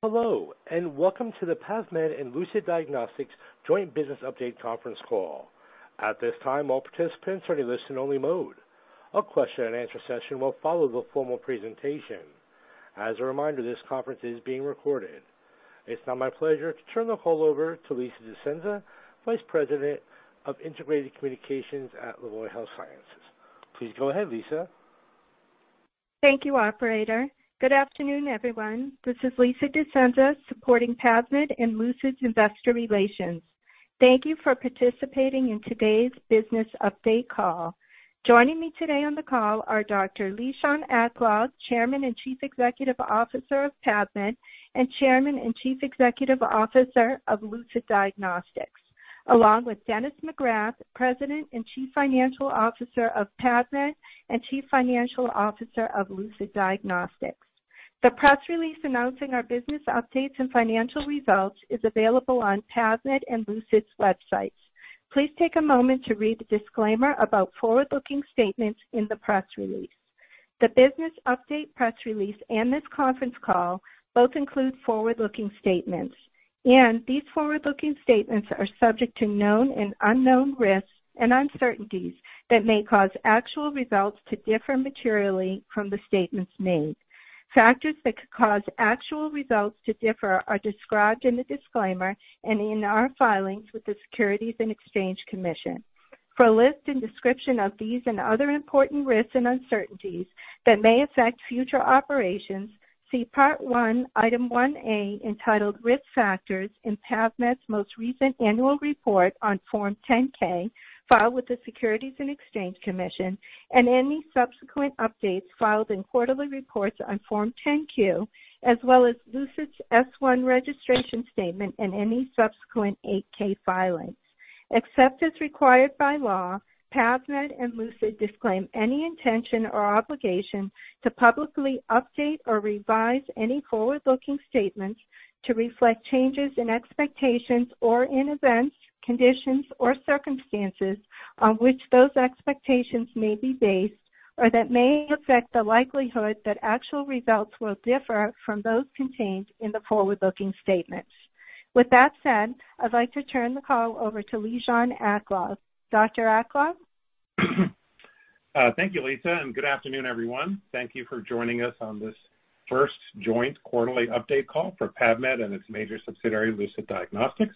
Hello, and welcome to the PAVmed and Lucid Diagnostics Joint Business Update conference call. At this time, all participants are in listen-only mode. A question-and-answer session will follow the formal presentation. As a reminder, this conference is being recorded. It's now my pleasure to turn the call over to Lisa DeScenza, Vice President of Integrated Communications at LaVoie Health Sciences. Please go ahead, Lisa. Thank you, operator. Good afternoon, everyone. This is Lisa DeScenza, supporting PAVmed and Lucid Diagnostics' investor relations. Thank you for participating in today's business update call. Joining me today on the call are Dr. Lishan Aklog, Chairman and Chief Executive Officer of PAVmed and Chairman and Chief Executive Officer of Lucid Diagnostics, along with Dennis McGrath, President and Chief Financial Officer of PAVmed and Chief Financial Officer of Lucid Diagnostics. The press release announcing our business updates and financial results is available on PAVmed and Lucid Diagnostics' websites. Please take a moment to read the disclaimer about forward-looking statements in the press release. The business update press release and this conference call both include forward-looking statements, and these forward-looking statements are subject to known and unknown risks and uncertainties that may cause actual results to differ materially from the statements made. Factors that could cause actual results to differ are described in the disclaimer and in our filings with the Securities and Exchange Commission. For a list and description of these and other important risks and uncertainties that may affect future operations, see Part One, Item 1A, entitled Risk Factors in PAVmed's most recent annual report on Form 10-K filed with the Securities and Exchange Commission and any subsequent updates filed in quarterly reports on Form 10-Q, as well as Lucid's S-1 registration statement and any subsequent 8-K filings. Except as required by law, PAVmed and Lucid disclaim any intention or obligation to publicly update or revise any forward-looking statements to reflect changes in expectations or in events, conditions, or circumstances on which those expectations may be based or that may affect the likelihood that actual results will differ from those contained in the forward-looking statements. With that said, I'd like to turn the call over to Lishan Aklog. Dr. Aklog? Thank you, Lisa, and good afternoon, everyone. Thank you for joining us on this first joint quarterly update call for PAVmed and its major subsidiary, Lucid Diagnostics.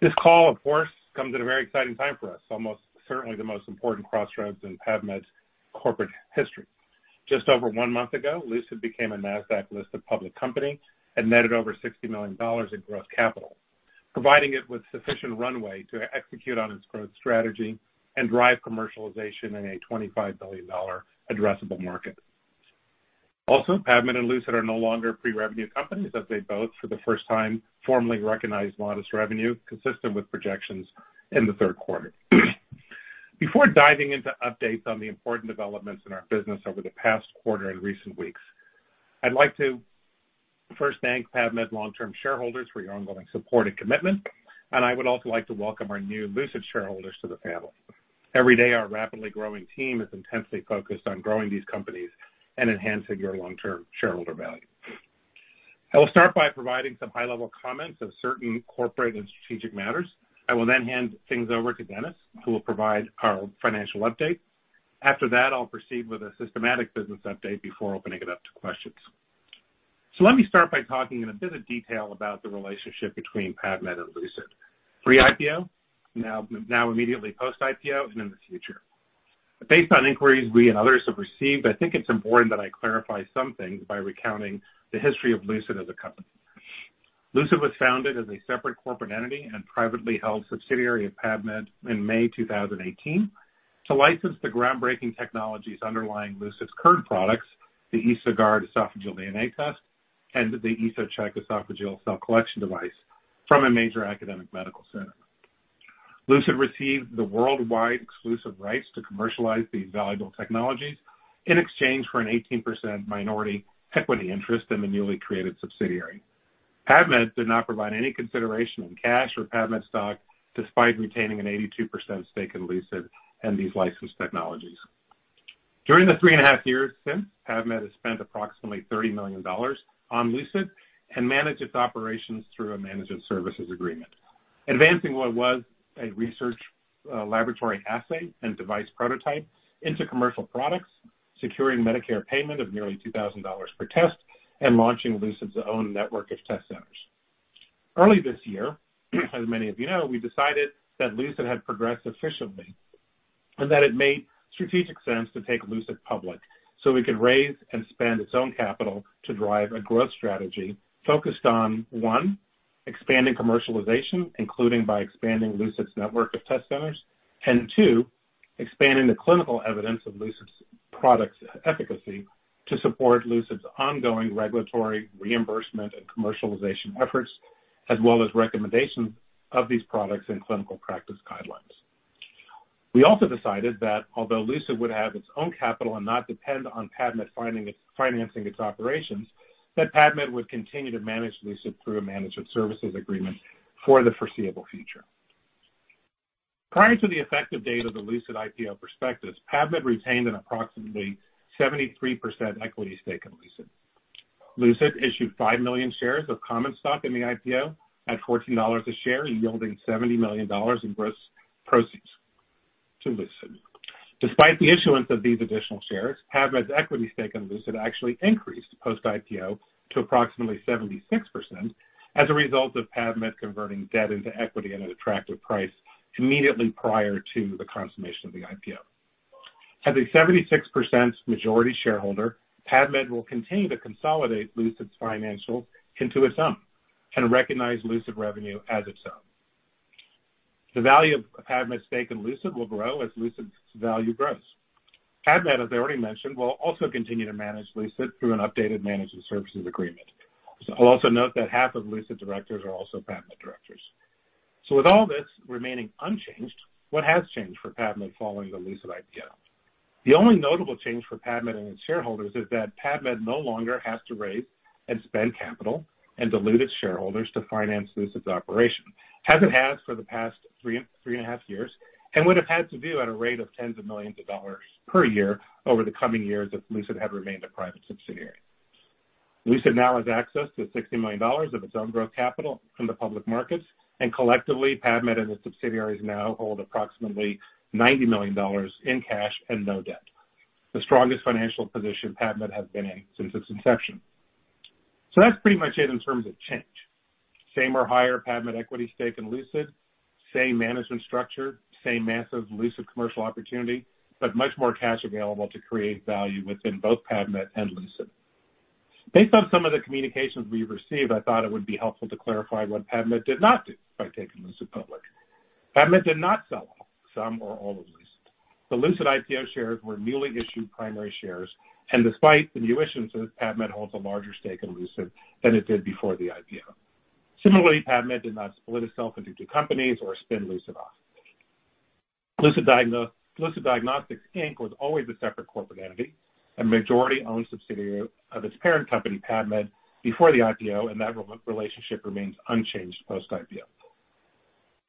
This call, of course, comes at a very exciting time for us, almost certainly the most important crossroads in PAVmed's corporate history. Just over one month ago, Lucid became a Nasdaq-listed public company and netted over $60 million in gross capital, providing it with sufficient runway to execute on its growth strategy and drive commercialization in a $25 billion addressable market. Also, PAVmed and Lucid are no longer pre-revenue companies, as they both, for the first time, formally recognized modest revenue consistent with projections in the third quarter. Before diving into updates on the important developments in our business over the past quarter and recent weeks, I'd like to first thank PAVmed's long-term shareholders for your ongoing support and commitment. I would also like to welcome our new Lucid shareholders to the family. Every day, our rapidly growing team is intensely focused on growing these companies and enhancing your long-term shareholder value. I will start by providing some high-level comments of certain corporate and strategic matters. I will then hand things over to Dennis, who will provide our financial update. After that, I'll proceed with a systematic business update before opening it up to questions. Let me start by talking in a bit of detail about the relationship between PAVmed and Lucid, pre-IPO, now immediately post-IPO and in the future. Based on inquiries we and others have received, I think it's important that I clarify some things by recounting the history of Lucid as a company. Lucid was founded as a separate corporate entity and privately held subsidiary of PAVmed in May 2018 to license the groundbreaking technologies underlying Lucid's current products, the EsoGuard esophageal DNA test, and the EsoCheck esophageal cell collection device from a major academic medical center. Lucid received the worldwide exclusive rights to commercialize these valuable technologies in exchange for an 18% minority equity interest in the newly created subsidiary. PAVmed did not provide any consideration in cash or PAVmed stock, despite retaining an 82% stake in Lucid and these licensed technologies. During the three and a half years since, PAVmed has spent approximately $30 million on Lucid and managed its operations through a managed services agreement, advancing what was a research laboratory assay and device prototype into commercial products, securing Medicare payment of nearly $2,000 per test, and launching Lucid's own network of test centers. Early this year, as many of you know, we decided that Lucid had progressed sufficiently and that it made strategic sense to take Lucid public, so we could raise and spend its own capital to drive a growth strategy focused on, one, expanding commercialization, including by expanding Lucid's network of test centers, and two, expanding the clinical evidence of Lucid's product efficacy to support Lucid's ongoing regulatory reimbursement and commercialization efforts, as well as recommendations of these products and clinical practice guidelines. We also decided that although Lucid would have its own capital and not depend on PAVmed financing its operations, PAVmed would continue to manage Lucid through a managed services agreement for the foreseeable future. Prior to the effective date of the Lucid IPO prospectus, PAVmed retained an approximately 73% equity stake in Lucid. Lucid issued 5 million shares of common stock in the IPO at $14 a share, yielding $70 million in gross proceeds to Lucid. Despite the issuance of these additional shares, PAVmed's equity stake in Lucid actually increased post-IPO to approximately 76% as a result of PAVmed converting debt into equity at an attractive price immediately prior to the consummation of the IPO. As a 76% majority shareholder, PAVmed will continue to consolidate Lucid's financials into its own and recognize Lucid revenue as its own. The value of PAVmed's stake in Lucid will grow as Lucid's value grows. PAVmed, as I already mentioned, will also continue to manage Lucid through an updated managed services agreement. I'll also note that half of Lucid's directors are also PAVmed directors. With all this remaining unchanged, what has changed for PAVmed following the Lucid IPO? The only notable change for PAVmed and its shareholders is that PAVmed no longer has to raise and spend capital and dilute its shareholders to finance Lucid's operation, as it has for the past three and a half years, and would have had to do at a rate of $ tens of millions per year over the coming years if Lucid had remained a private subsidiary. Lucid now has access to $60 million of its own growth capital from the public markets, and collectively, PAVmed and its subsidiaries now hold approximately $90 million in cash and no debt, the strongest financial position PAVmed has been in since its inception. That's pretty much it in terms of change. Same or higher PAVmed equity stake in Lucid, same management structure, same massive Lucid commercial opportunity, but much more cash available to create value within both PAVmed and Lucid. Based on some of the communications we've received, I thought it would be helpful to clarify what PAVmed did not do by taking Lucid public. PAVmed did not sell off some or all of Lucid. The Lucid IPO shares were newly issued primary shares, and despite the new issuance, PAVmed holds a larger stake in Lucid than it did before the IPO. Similarly, PAVmed did not split itself into two companies or spin Lucid off. Lucid Diagnostics Inc. was always a separate corporate entity and majority-owned subsidiary of its parent company, PAVmed, before the IPO, and that relationship remains unchanged post-IPO.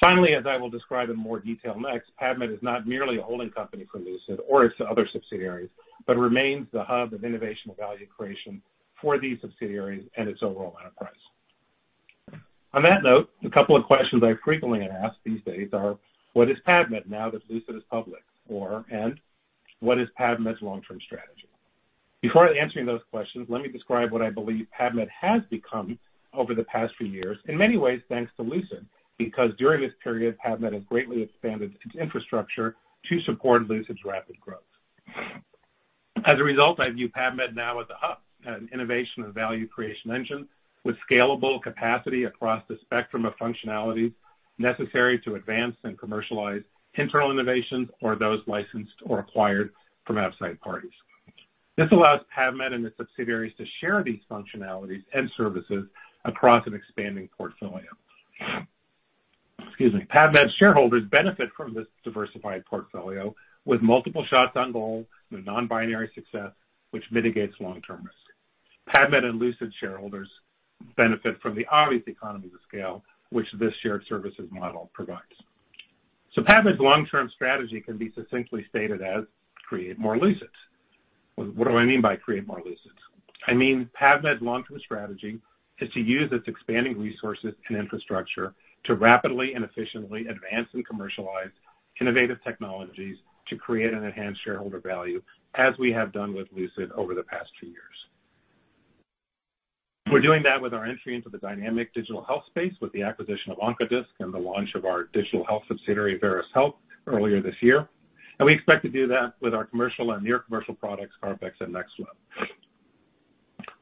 Finally, as I will describe in more detail next, PAVmed is not merely a holding company for Lucid or its other subsidiaries, but remains the hub of innovation value creation for these subsidiaries and its overall enterprise. On that note, a couple of questions I frequently get asked these days are, "What is PAVmed now that Lucid is public?" or, "What is PAVmed's long-term strategy?" Before answering those questions, let me describe what I believe PAVmed has become over the past few years, in many ways, thanks to Lucid, because during this period, PAVmed has greatly expanded its infrastructure to support Lucid's rapid growth. As a result, I view PAVmed now as a hub, an innovation and value creation engine with scalable capacity across the spectrum of functionalities necessary to advance and commercialize internal innovations or those licensed or acquired from outside parties. This allows PAVmed and its subsidiaries to share these functionalities and services across an expanding portfolio. Excuse me. PAVmed shareholders benefit from this diversified portfolio with multiple shots on goal and a non-binary success, which mitigates long-term risk. PAVmed and Lucid shareholders benefit from the obvious economies of scale which this shared services model provides. PAVmed's long-term strategy can be succinctly stated as create more Lucids. What do I mean by create more Lucids? I mean PAVmed's long-term strategy is to use its expanding resources and infrastructure to rapidly and efficiently advance and commercialize innovative technologies to create and enhance shareholder value, as we have done with Lucid over the past 2 years. We're doing that with our entry into the dynamic digital health space with the acquisition of OncoDisc and the launch of our digital health subsidiary, Veris Health, earlier this year. We expect to do that with our commercial and near commercial products, CarpX and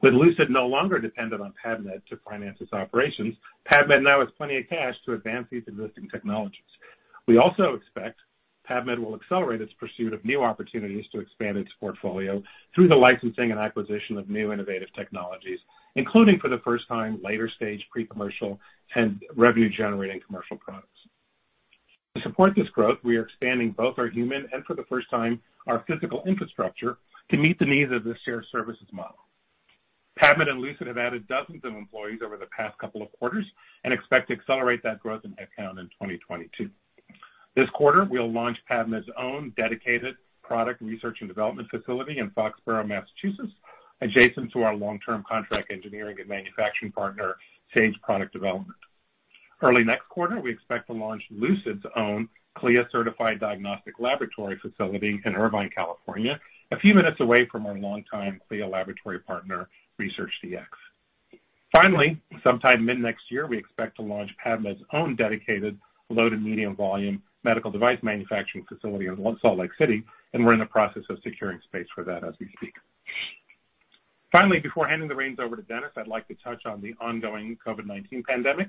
NextFlo. With Lucid no longer dependent on PAVmed to finance its operations, PAVmed now has plenty of cash to advance these existing technologies. We also expect PAVmed will accelerate its pursuit of new opportunities to expand its portfolio through the licensing and acquisition of new innovative technologies, including for the first time, later stage pre-commercial and revenue-generating commercial products. To support this growth, we are expanding both our human and, for the first time, our physical infrastructure to meet the needs of this shared services model. PAVmed and Lucid have added dozens of employees over the past couple of quarters and expect to accelerate that growth in headcount in 2022. This quarter, we'll launch PAVmed's own dedicated product research and development facility in Foxborough, Massachusetts, adjacent to our long-term contract engineering and manufacturing partner, Sage Product Development. Early next quarter, we expect to launch Lucid's own CLIA-certified diagnostic laboratory facility in Irvine, California, a few minutes away from our longtime CLIA laboratory partner, ResearchDx. Finally, sometime mid-next year, we expect to launch PAVmed's own dedicated low- to medium-volume medical device manufacturing facility in Salt Lake City, and we're in the process of securing space for that as we speak. Finally, before handing the reins over to Dennis, I'd like to touch on the ongoing COVID-19 pandemic.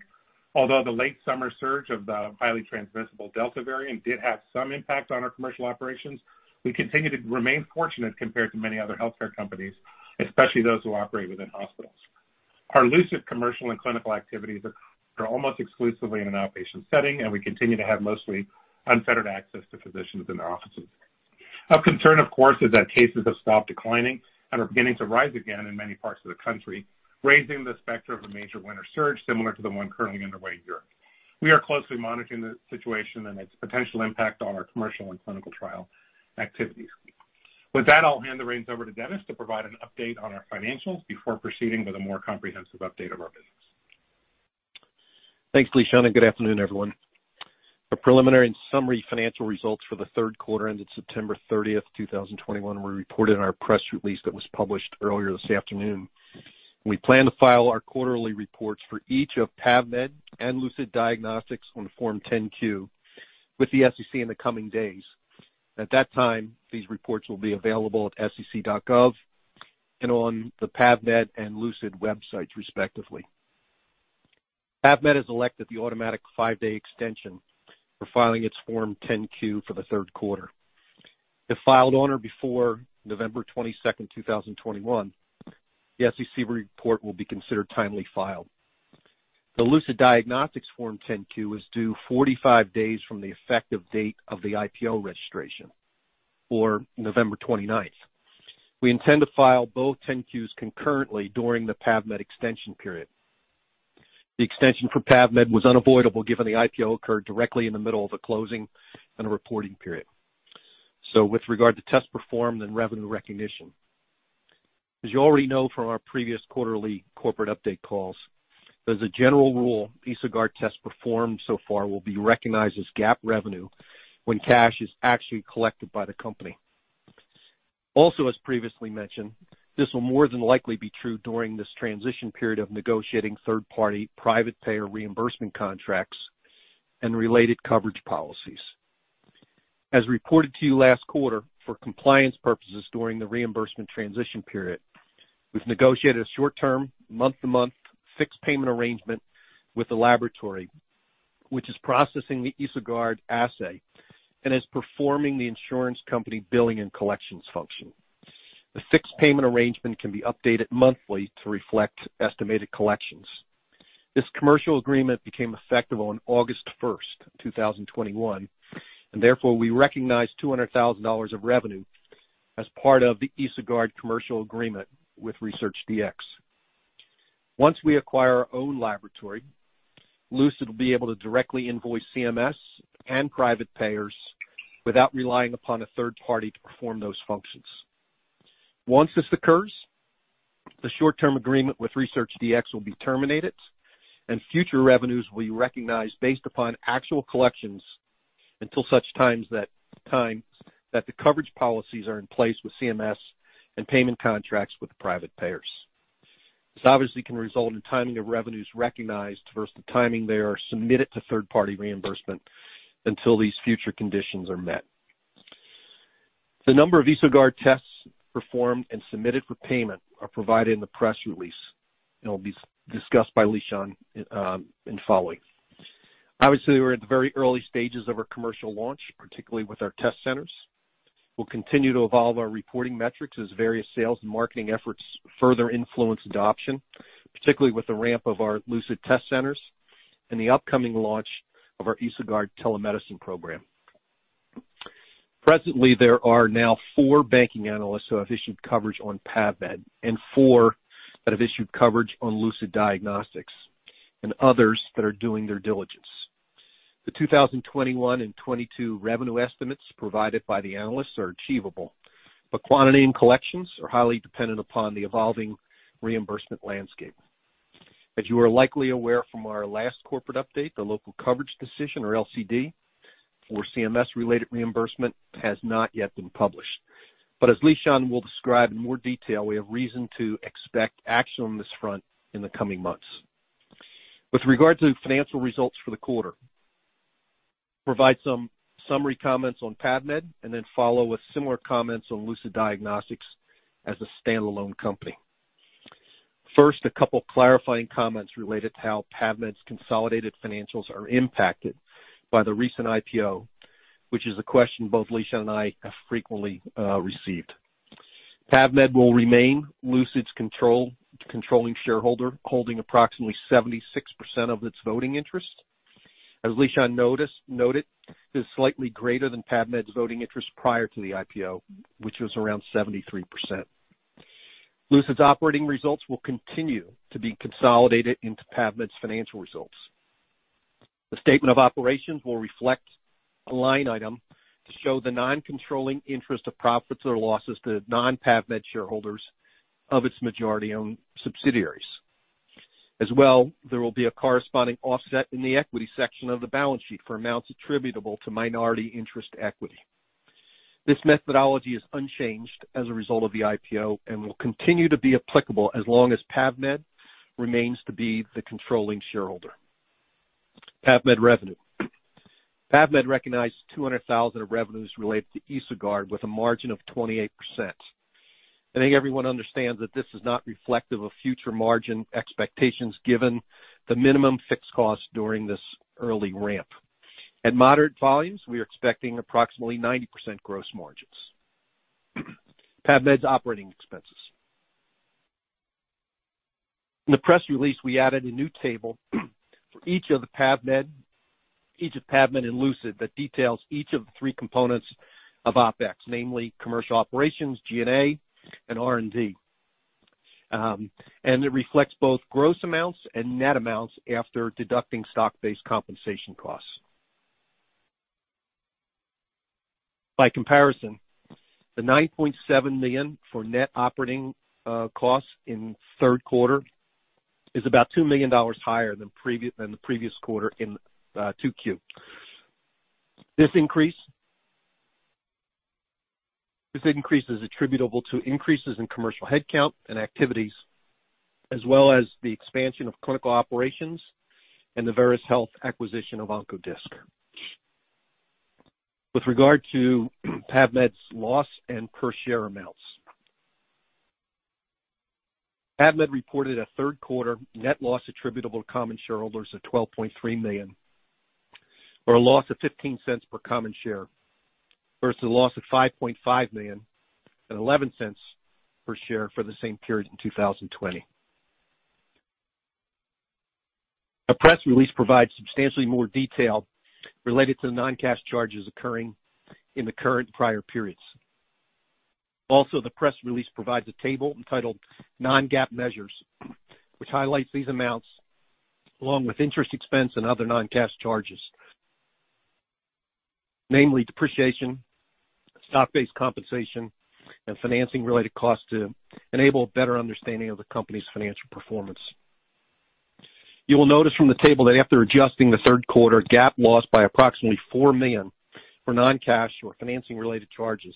Although the late summer surge of the highly transmissible Delta variant did have some impact on our commercial operations, we continue to remain fortunate compared to many other healthcare companies, especially those who operate within hospitals. Our Lucid commercial and clinical activities are almost exclusively in an outpatient setting, and we continue to have mostly unfettered access to physicians in their offices. Of concern, of course, is that cases have stopped declining and are beginning to rise again in many parts of the country, raising the specter of a major winter surge similar to the one currently underway in Europe. We are closely monitoring the situation and its potential impact on our commercial and clinical trial activities. With that, I'll hand the reins over to Dennis to provide an update on our financials before proceeding with a more comprehensive update of our business. Thanks, Lishan, and good afternoon, everyone. The preliminary and summary financial results for the third quarter ended September 30, 2021 were reported in our press release that was published earlier this afternoon. We plan to file our quarterly reports for each of PAVmed and Lucid Diagnostics on Form 10-Q with the SEC in the coming days. At that time, these reports will be available at sec.gov and on the PAVmed and Lucid Diagnostics websites, respectively. PAVmed has elected the automatic 5-day extension for filing its Form 10-Q for the third quarter. If filed on or before November 22, 2021, the SEC report will be considered timely filed. The Lucid Diagnostics Form 10-Q is due 45 days from the effective date of the IPO registration or November 29. We intend to file both 10-Qs concurrently during the PAVmed extension period. The extension for PAVmed was unavoidable given the IPO occurred directly in the middle of a closing and a reporting period. With regard to tests performed and revenue recognition, as you already know from our previous quarterly corporate update calls, as a general rule, EsoGuard tests performed so far will be recognized as GAAP revenue when cash is actually collected by the company. Also, as previously mentioned, this will more than likely be true during this transition period of negotiating third party private payer reimbursement contracts and related coverage policies. As reported to you last quarter for compliance purposes during the reimbursement transition period, we've negotiated a short term, month-to-month fixed payment arrangement with the laboratory, which is processing the EsoGuard assay and is performing the insurance company billing and collections function. The fixed payment arrangement can be updated monthly to reflect estimated collections. This commercial agreement became effective on August 1, 2021, and therefore we recognized $200,000 of revenue as part of the EsoGuard commercial agreement with ResearchDx. Once we acquire our own laboratory, Lucid will be able to directly invoice CMS and private payers without relying upon a third party to perform those functions. Once this occurs, the short term agreement with ResearchDx will be terminated and future revenues will be recognized based upon actual collections until such time that the coverage policies are in place with CMS and payment contracts with the private payers. This obviously can result in timing of revenues recognized versus the timing they are submitted to third party reimbursement until these future conditions are met. The number of EsoGuard tests performed and submitted for payment are provided in the press release and will be discussed by Lishan in the following. Obviously we're at the very early stages of our commercial launch, particularly with our test centers. We'll continue to evolve our reporting metrics as various sales and marketing efforts further influence adoption, particularly with the ramp of our Lucid test centers and the upcoming launch of our EsoGuard telemedicine program. Presently there are now four banking analysts who have issued coverage on PAVmed and four that have issued coverage on Lucid Diagnostics and others that are doing their diligence. The 2021 and 2022 revenue estimates provided by the analysts are achievable, but quantity and collections are highly dependent upon the evolving reimbursement landscape. As you are likely aware from our last corporate update, the local coverage decision or LCD for CMS related reimbursement has not yet been published. As Lishan will describe in more detail, we have reason to expect action on this front in the coming months. With regard to financial results for the quarter, provide some summary comments on PAVmed and then follow with similar comments on Lucid Diagnostics as a standalone company. First, a couple clarifying comments related to how PAVmed's consolidated financials are impacted by the recent IPO, which is a question both Lishan and I have frequently received. PAVmed will remain Lucid's controlling shareholder, holding approximately 76% of its voting interest. As Lishan noted, this is slightly greater than PAVmed's voting interest prior to the IPO, which was around 73%. Lucid's operating results will continue to be consolidated into PAVmed's financial results. The statement of operations will reflect a line item to show the non-controlling interest of profits or losses to non-PAVmed shareholders of its majority-owned subsidiaries. As well, there will be a corresponding offset in the equity section of the balance sheet for amounts attributable to minority interest equity. This methodology is unchanged as a result of the IPO and will continue to be applicable as long as PAVmed remains to be the controlling shareholder. PAVmed revenue. PAVmed recognized $200,000 of revenues related to EsoGuard with a margin of 28%. I think everyone understands that this is not reflective of future margin expectations given the minimum fixed cost during this early ramp. At moderate volumes, we are expecting approximately 90% gross margins. PAVmed's operating expenses. In the press release, we added a new table for each of PAVmed and Lucid that details each of the three components of OpEx, namely commercial operations, G&A, and R&D. It reflects both gross amounts and net amounts after deducting stock-based compensation costs. By comparison, the $9.7 million for net operating costs in third quarter is about $2 million higher than the previous quarter in Q2. This increase is attributable to increases in commercial headcount and activities, as well as the expansion of clinical operations and the Veris Health acquisition of OncoDisc. With regard to PAVmed's loss and per share amounts. PAVmed reported a third quarter net loss attributable to common shareholders of $12.3 million, or a loss of $0.15 per common share, versus a loss of $5.5 million at $0.11 per share for the same period in 2020. The press release provides substantially more detail related to the non-cash charges occurring in the current and prior periods. The press release provides a table entitled Non-GAAP Measures, which highlights these amounts along with interest expense and other non-cash charges, namely depreciation, stock-based compensation, and financing-related costs to enable a better understanding of the company's financial performance. You will notice from the table that after adjusting the third quarter GAAP loss by approximately $4 million for non-cash or financing-related charges,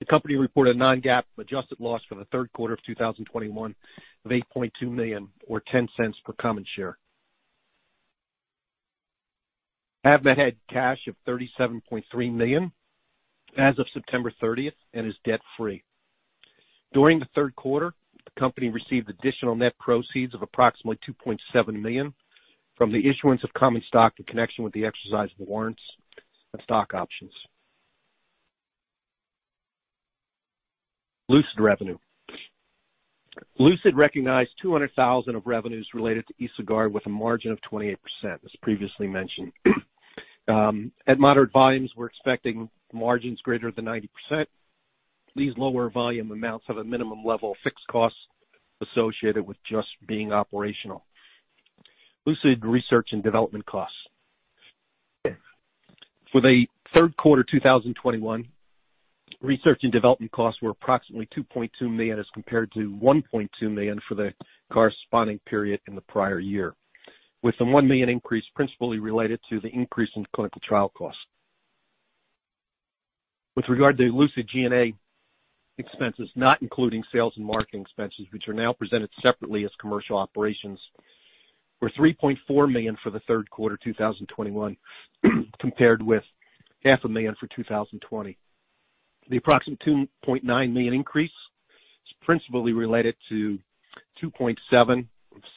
the company reported a non-GAAP adjusted loss for the third quarter of 2021 of $8.2 million or $0.10 per common share. PAVmed had cash of $37.3 million as of September 30 and is debt-free. During the third quarter, the company received additional net proceeds of approximately $2.7 million from the issuance of common stock in connection with the exercise of the warrants and stock options. Lucid Revenue. Lucid recognized $200,000 of revenues related to EsoGuard with a margin of 28%, as previously mentioned. At moderate volumes, we're expecting margins greater than 90%. These lower volume amounts have a minimum level of fixed costs associated with just being operational. Lucid Research and Development Costs. For the third quarter 2021, research and development costs were approximately $2.2 million as compared to $1.2 million for the corresponding period in the prior year, with the $1 million increase principally related to the increase in clinical trial costs. With regard to Lucid's G&A expenses, not including sales and marketing expenses, which are now presented separately as commercial operations, were $3.4 million for the third quarter 2021 compared with half a million for 2020. The approximate $2.9 million increase is principally related to $2.7 million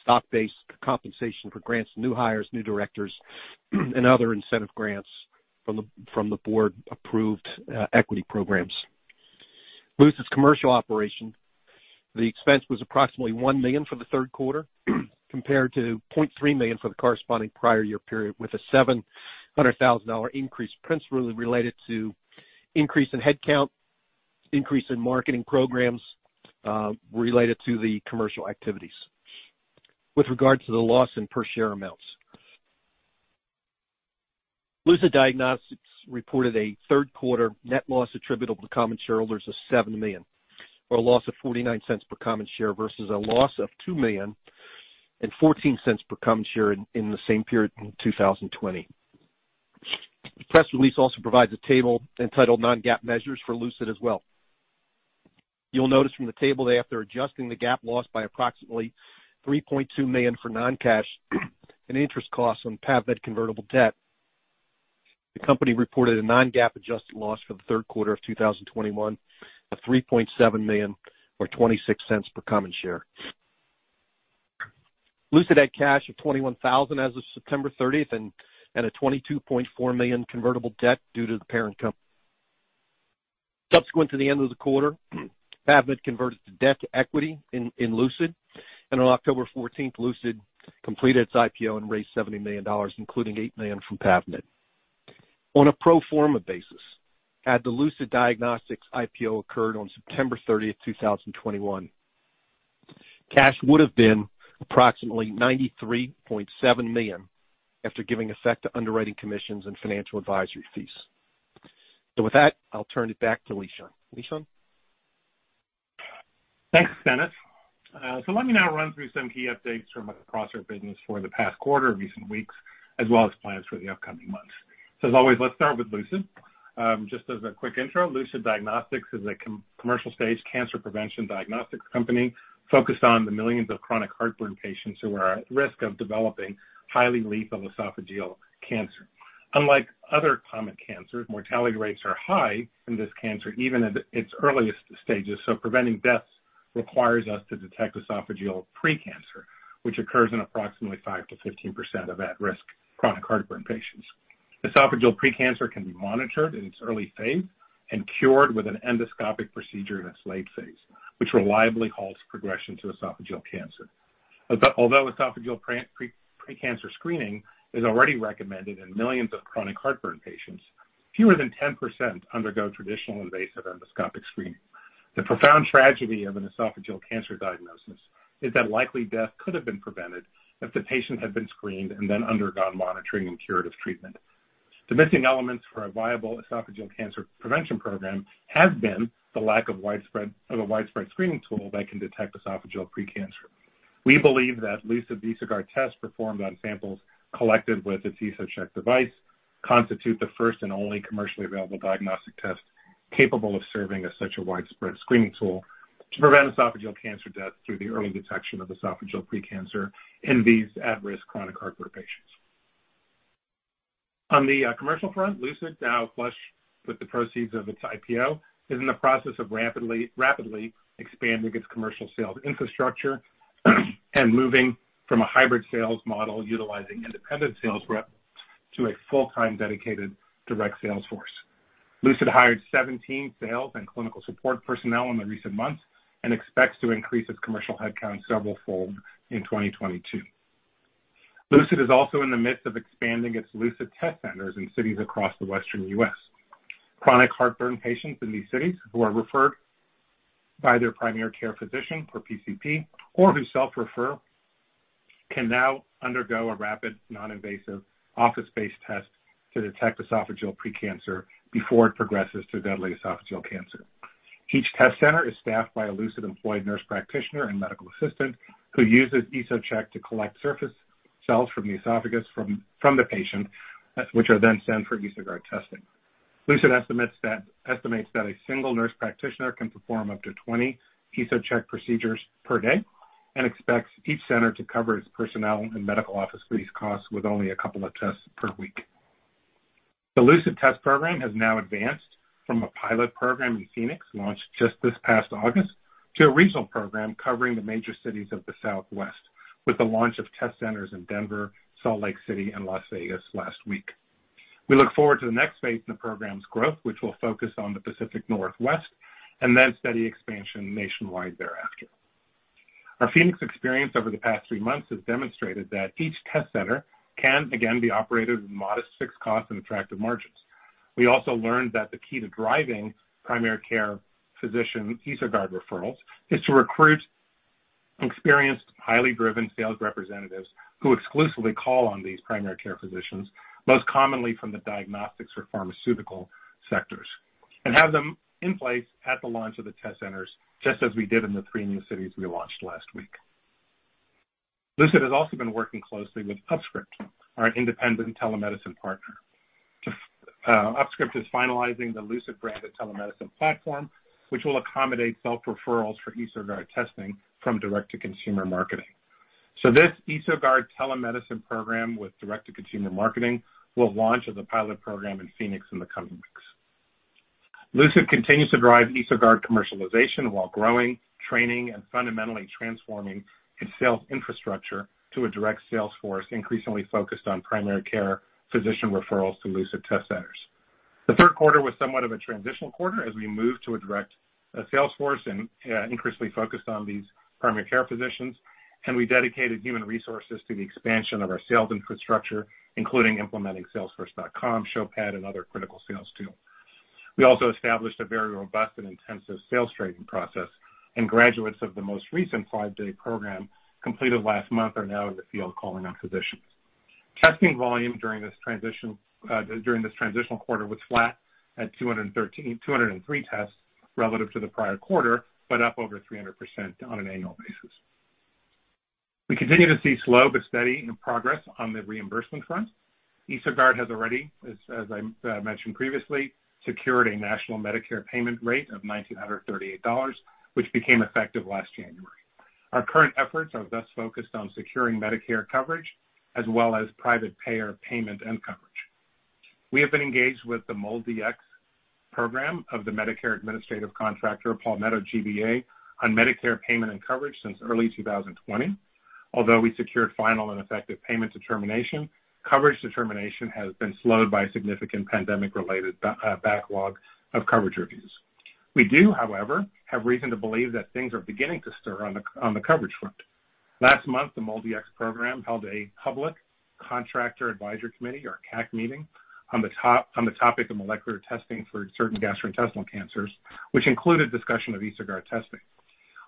stock-based compensation for grants to new hires, new directors, and other incentive grants from the board-approved equity programs. Lucid's commercial operation. The expense was approximately $1 million for the third quarter compared to $0.3 million for the corresponding prior year period, with a $700,000 increase principally related to increase in headcount, increase in marketing programs, related to the commercial activities. With regards to the loss in per share amounts, Lucid Diagnostics reported a third quarter net loss attributable to common shareholders of $7 million or a loss of $0.49 per common share versus a loss of $2 million and $0.14 per common share in the same period in 2020. The press release also provides a table entitled Non-GAAP Measures for Lucid as well. You'll notice from the table that after adjusting the GAAP loss by approximately $3.2 million for non-cash and interest costs on PAVmed convertible debt, the company reported a non-GAAP adjusted loss for the third quarter of 2021 of $3.7 million or $0.26 per common share. Lucid had cash of $21,000 as of September 30 and a $22.4 million convertible debt due to the parent company. Subsequent to the end of the quarter, PAVmed converted the debt to equity in Lucid, and on October 14, Lucid completed its IPO and raised $70 million, including $8 million from PAVmed. On a pro forma basis, had the Lucid Diagnostics IPO occurred on September 30, 2021, cash would have been approximately $93.7 million after giving effect to underwriting commissions and financial advisory fees. With that, I'll turn it back to Lishan. Lishan? Thanks, Dennis. Let me now run through some key updates from across our business for the past quarter, recent weeks, as well as plans for the upcoming months. As always, let's start with Lucid. Just as a quick intro, Lucid Diagnostics is a commercial stage cancer prevention diagnostics company focused on the millions of chronic heartburn patients who are at risk of developing highly lethal esophageal cancer. Unlike other common cancers, mortality rates are high in this cancer, even at its earliest stages, so preventing deaths requires us to detect esophageal pre-cancer, which occurs in approximately 5% to 15% of at-risk chronic heartburn patients. Esophageal pre-cancer can be monitored in its early phase and cured with an endoscopic procedure in its late phase, which reliably halts progression to esophageal cancer. Although esophageal precancer screening is already recommended in millions of chronic heartburn patients, fewer than 10% undergo traditional invasive endoscopic screening. The profound tragedy of an esophageal cancer diagnosis is that likely death could have been prevented if the patient had been screened and then undergone monitoring and curative treatment. The missing elements for a viable esophageal cancer prevention program have been the lack of a widespread screening tool that can detect esophageal precancer. We believe that Lucid's EsoGuard test performed on samples collected with its EsoCheck device constitute the first and only commercially available diagnostic test capable of serving as such a widespread screening tool to prevent esophageal cancer deaths through the early detection of esophageal precancer in these at-risk chronic heartburn patients. On the commercial front, Lucid, now flush with the proceeds of its IPO, is in the process of rapidly expanding its commercial sales infrastructure and moving from a hybrid sales model utilizing independent sales reps to a full-time dedicated direct sales force. Lucid hired 17 sales and clinical support personnel in the recent months and expects to increase its commercial headcount several fold in 2022. Lucid is also in the midst of expanding its Lucid test centers in cities across the Western U.S. Chronic heartburn patients in these cities who are referred by their primary care physician or PCP or who self-refer, can now undergo a rapid non-invasive office-based test to detect esophageal pre-cancer before it progresses to deadly esophageal cancer. Each test center is staffed by a Lucid employed nurse practitioner and medical assistant who uses EsoCheck to collect surface cells from the esophagus from the patient, which are then sent for EsoGuard testing. Lucid estimates that a single nurse practitioner can perform up to 20 EsoCheck procedures per day, and expects each center to cover its personnel and medical office lease costs with only a couple of tests per week. The Lucid test program has now advanced from a pilot program in Phoenix, launched just this past August, to a regional program covering the major cities of the Southwest with the launch of test centers in Denver, Salt Lake City and Las Vegas last week. We look forward to the next phase in the program's growth, which will focus on the Pacific Northwest and then steady expansion nationwide thereafter. Our Phoenix experience over the past three months has demonstrated that each test center can again be operated with modest fixed costs and attractive margins. We also learned that the key to driving primary care physician EsoGuard referrals is to recruit experienced, highly driven sales representatives who exclusively call on these primary care physicians, most commonly from the diagnostics or pharmaceutical sectors, and have them in place at the launch of the test centers, just as we did in the three new cities we launched last week. Lucid has also been working closely with UpScript, our independent telemedicine partner. UpScript is finalizing the Lucid branded telemedicine platform, which will accommodate self-referrals for EsoGuard testing from direct to consumer marketing. This EsoGuard telemedicine program with direct to consumer marketing will launch as a pilot program in Phoenix in the coming weeks. Lucid continues to drive EsoGuard commercialization while growing, training, and fundamentally transforming its sales infrastructure to a direct sales force, increasingly focused on primary care physician referrals to Lucid test centers. The third quarter was somewhat of a transitional quarter as we moved to a direct, sales force and, increasingly focused on these primary care physicians, and we dedicated human resources to the expansion of our sales infrastructure, including implementing salesforce.com, Showpad and other critical sales tools. We also established a very robust and intensive sales training process, and graduates of the most recent five-day program completed last month are now in the field calling on physicians. Testing volume during this transition, during this transitional quarter was flat at 203 tests relative to the prior quarter, but up over 300% on an annual basis. We continue to see slow but steady progress on the reimbursement front. EsoGuard has already, as I mentioned previously, secured a national Medicare payment rate of $1,938, which became effective last January. Our current efforts are thus focused on securing Medicare coverage as well as private payer payment and coverage. We have been engaged with the MolDX program of the Medicare administrative contractor, Palmetto GBA, on Medicare payment and coverage since early 2020. Although we secured final and effective payment determination, coverage determination has been slowed by a significant pandemic-related backlog of coverage reviews. We do, however, have reason to believe that things are beginning to stir on the coverage front. Last month, the MolDX program held a public contractor advisory committee or CAC meeting on the topic of molecular testing for certain gastrointestinal cancers, which included discussion of EsoGuard testing.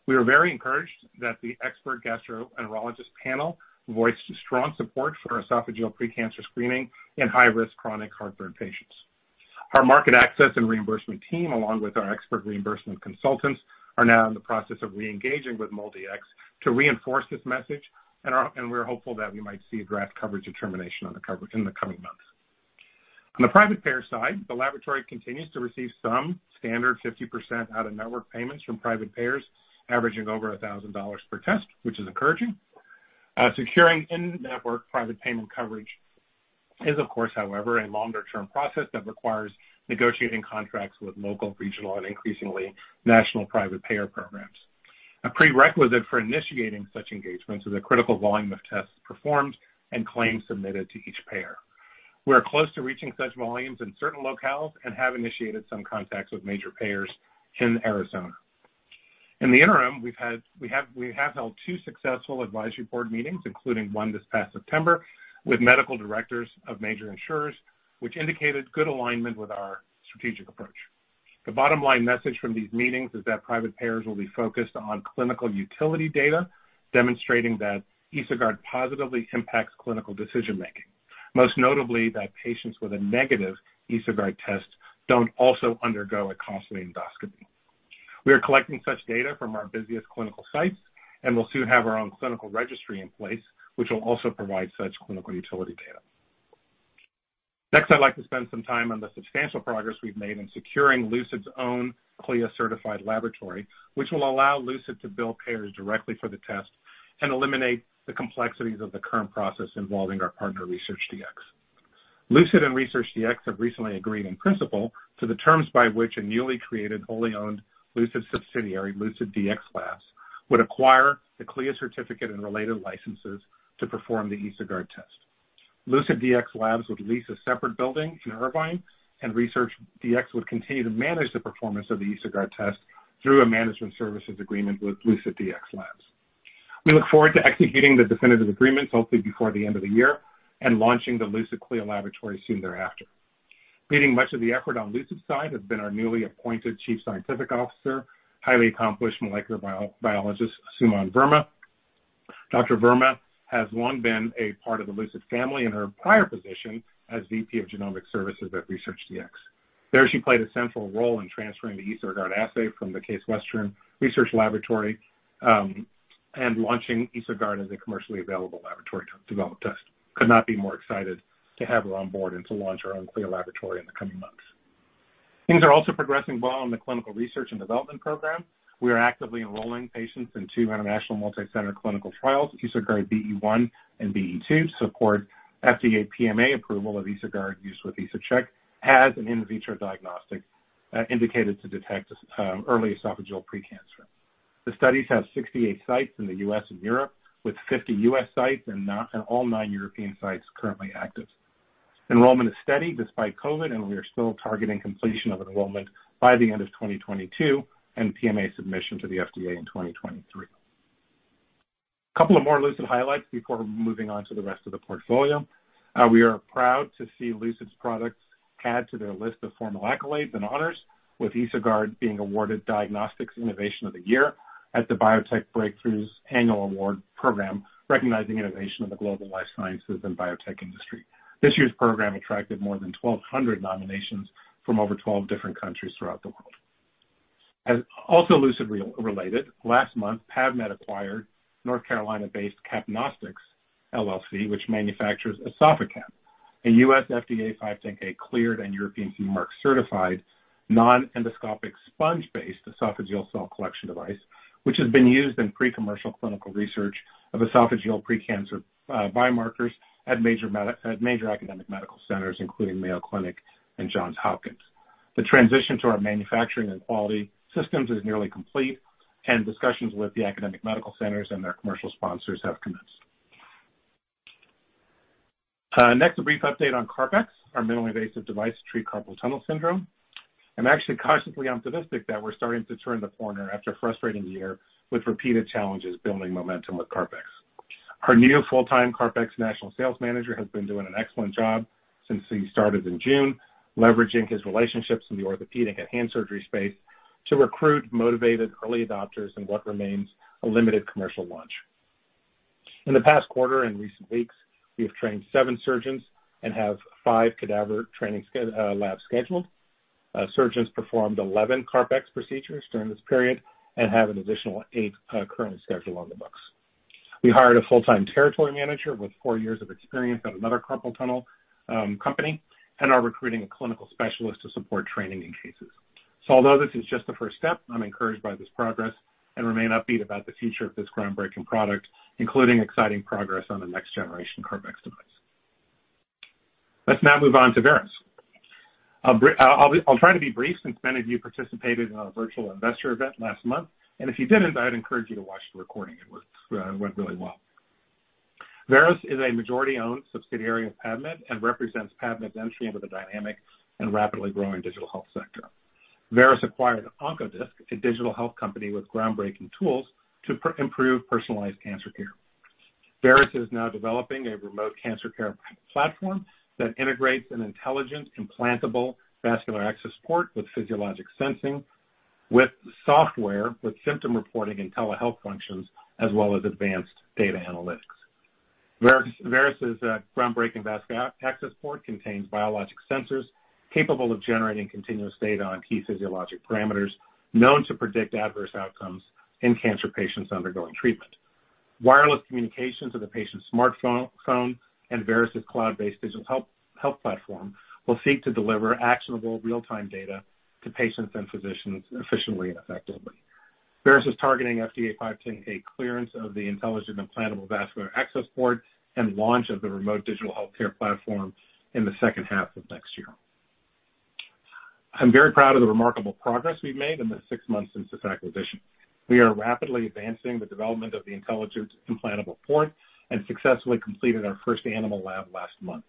We are very encouraged that the expert gastroenterologist panel voiced strong support for esophageal pre-cancer screening in high-risk chronic heartburn patients. Our market access and reimbursement team, along with our expert reimbursement consultants, are now in the process of re-engaging with MolDX to reinforce this message, and we're hopeful that we might see a draft coverage determination on the coverage in the coming months. On the private payer side, the laboratory continues to receive some standard 50% out-of-network payments from private payers averaging over $1,000 per test, which is encouraging. Securing in-network private payment coverage is of course, however, a longer term process that requires negotiating contracts with local, regional, and increasingly national private payer programs. A prerequisite for initiating such engagements is a critical volume of tests performed and claims submitted to each payer. We are close to reaching such volumes in certain locales and have initiated some contacts with major payers in Arizona. In the interim, we have held two successful advisory board meetings, including one this past September, with medical directors of major insurers, which indicated good alignment with our strategic approach. The bottom line message from these meetings is that private payers will be focused on clinical utility data, demonstrating that EsoGuard positively impacts clinical decision-making. Most notably, that patients with a negative EsoGuard test don't also undergo a costly endoscopy. We are collecting such data from our busiest clinical sites, and we'll soon have our own clinical registry in place, which will also provide such clinical utility data. Next, I'd like to spend some time on the substantial progress we've made in securing Lucid's own CLIA-certified laboratory, which will allow Lucid to bill payers directly for the test and eliminate the complexities of the current process involving our partner, ResearchDx. Lucid and ResearchDx have recently agreed in principle to the terms by which a newly created, wholly owned Lucid subsidiary, LucidDx Labs, would acquire the CLIA certificate and related licenses to perform the EsoGuard test. LucidDx Labs would lease a separate building in Irvine, and ResearchDx would continue to manage the performance of the EsoGuard test through a management services agreement with LucidDx Labs. We look forward to executing the definitive agreements hopefully before the end of the year and launching the Lucid CLIA laboratory soon thereafter. Leading much of the effort on Lucid's side has been our newly appointed Chief Scientific Officer, highly accomplished molecular biologist, Suman Verma. Dr. Verma has long been a part of the Lucid family in her prior position as VP of Genomic Services at ResearchDx. There, she played a central role in transferring the EsoGuard assay from the Case Western Reserve University, and launching EsoGuard as a commercially available laboratory-developed test. Could not be more excited to have her on board and to launch our own CLIA laboratory in the coming months. Things are also progressing well in the clinical research and development program. We are actively enrolling patients in two international multi-center clinical trials, EsoGuard BE-1 and BE-2, to support FDA PMA approval of EsoGuard use with EsoCheck as an in vitro diagnostic, indicated to detect early esophageal pre-cancer. The studies have 68 sites in the U.S. and Europe, with 50 U.S. sites and all 9 European sites currently active. Enrollment is steady despite COVID, and we are still targeting completion of enrollment by the end of 2022 and PMA submission to the FDA in 2023. Couple of more Lucid highlights before moving on to the rest of the portfolio. We are proud to see Lucid's products add to their list of formal accolades and honors, with EsoGuard being awarded Diagnostics Innovation of the Year at the BioTech Breakthrough Annual Award program, recognizing innovation in the global life sciences and biotech industry. This year's program attracted more than 1,200 nominations from over 12 different countries throughout the world. Also, Lucid recently, last month PAVmed acquired North Carolina-based CapNostics, LLC, which manufactures EsophaCap, a U.S. FDA 510(k) cleared and European CE mark certified non-endoscopic sponge-based esophageal cell collection device, which has been used in pre-commercial clinical research of esophageal precancer biomarkers at major academic medical centers, including Mayo Clinic and Johns Hopkins. The transition to our manufacturing and quality systems is nearly complete, and discussions with the academic medical centers and their commercial sponsors have commenced. Next, a brief update on CarpX, our minimally invasive device to treat carpal tunnel syndrome. I'm actually cautiously optimistic that we're starting to turn the corner after a frustrating year with repeated challenges building momentum with CarpX. Our new full-time CarpX national sales manager has been doing an excellent job since he started in June, leveraging his relationships in the orthopedic and hand surgery space to recruit motivated early adopters in what remains a limited commercial launch. In the past quarter and recent weeks, we have trained seven surgeons and have five cadaver training lab scheduled. Surgeons performed 11 CarpX procedures during this period and have an additional eight currently scheduled on the books. We hired a full-time territory manager with four years of experience at another carpal tunnel company and are recruiting a clinical specialist to support training in cases. Although this is just the first step, I'm encouraged by this progress and remain upbeat about the future of this groundbreaking product, including exciting progress on the next generation CarpX device. Let's now move on to Veris. I'll try to be brief since many of you participated in our virtual investor event last month, and if you didn't, I'd encourage you to watch the recording. It went really well. Veris is a majority-owned subsidiary of PAVmed and represents PAVmed's entry into the dynamic and rapidly growing digital health sector. Veris acquired OncoDisc, a digital health company with groundbreaking tools to improve personalized cancer care. Veris is now developing a remote cancer care platform that integrates an intelligent, implantable vascular access port with physiologic sensing, with software with symptom reporting and telehealth functions, as well as advanced data analytics. Veris' groundbreaking access port contains biologic sensors capable of generating continuous data on key physiologic parameters known to predict adverse outcomes in cancer patients undergoing treatment. Wireless communications of the patient's smartphone and Veris' cloud-based digital health platform will seek to deliver actionable real-time data to patients and physicians efficiently and effectively. Veris is targeting FDA 510(k) clearance of the intelligent implantable vascular access port and launch of the remote digital healthcare platform in the second half of next year. I'm very proud of the remarkable progress we've made in the six months since this acquisition. We are rapidly advancing the development of the intelligent implantable port and successfully completed our first animal lab last month.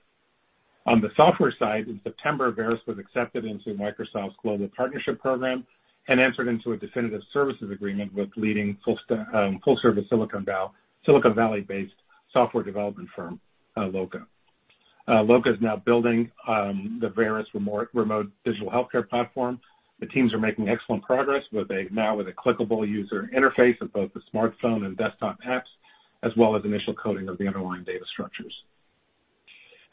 On the software side, in September, Veris was accepted into Microsoft's Global Partnership Program and entered into a definitive services agreement with leading full service Silicon Valley based software development firm, Loka. Loka is now building the Veris remote digital healthcare platform. The teams are making excellent progress, with a clickable user interface of both the smartphone and desktop apps, as well as initial coding of the underlying data structures.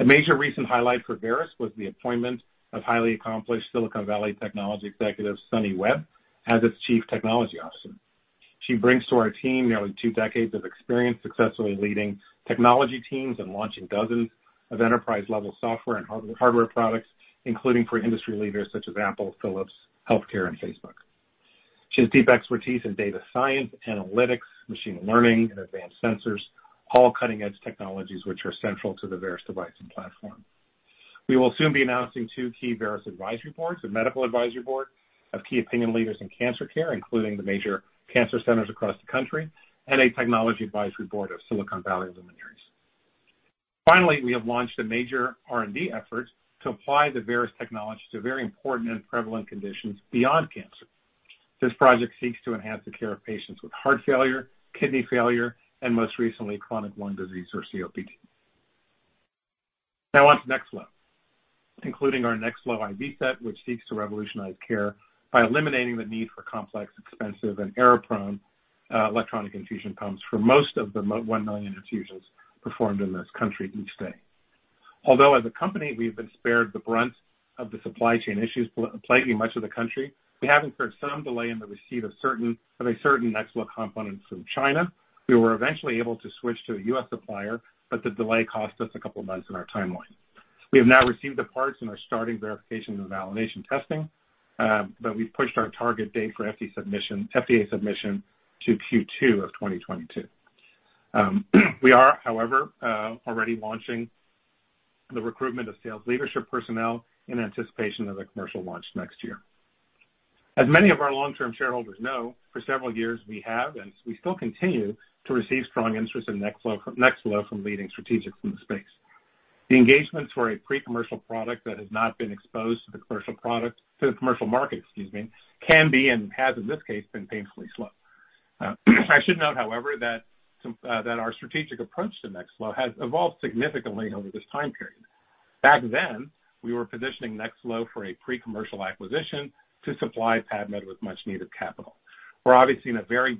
A major recent highlight for Veris was the appointment of highly accomplished Silicon Valley technology executive Sunny Webb as its Chief Technology Officer. She brings to our team nearly two decades of experience successfully leading technology teams and launching dozens of enterprise-level software and hardware products, including for industry leaders such as Apple, Philips Healthcare, and Facebook. She has deep expertise in data science, analytics, machine learning, and advanced sensors, all cutting-edge technologies which are central to the Veris device and platform. We will soon be announcing two key Veris advisory boards, a medical advisory board of key opinion leaders in cancer care, including the major cancer centers across the country, and a technology advisory board of Silicon Valley luminaries. Finally, we have launched a major R&D effort to apply the Veris technology to very important and prevalent conditions beyond cancer. This project seeks to enhance the care of patients with heart failure, kidney failure, and most recently, chronic lung disease or COPD. Now on to NextFlo, including our NextFlo IV Set, which seeks to revolutionize care by eliminating the need for complex, expensive, and error-prone electronic infusion pumps for most of the 1 million infusions performed in this country each day. Although as a company, we've been spared the brunt of the supply chain issues plaguing much of the country, we have incurred some delay in the receipt of a certain NextFlo component from China. We were eventually able to switch to a U.S. supplier, but the delay cost us a couple of months in our timeline. We have now received the parts and are starting verification and validation testing, but we've pushed our target date for FDA submission to Q2 of 2022. We are, however, already launching the recruitment of sales leadership personnel in anticipation of the commercial launch next year. As many of our long-term shareholders know, for several years we have, and we still continue, to receive strong interest in NextFlo from leading strategics in the space. The engagements for a pre-commercial product that has not been exposed to the commercial market, excuse me, can be, and has in this case, been painfully slow. I should note, however, that our strategic approach to NextFlo has evolved significantly over this time period. Back then, we were positioning NextFlo for a pre-commercial acquisition to supply PAVmed with much needed capital. We're obviously a very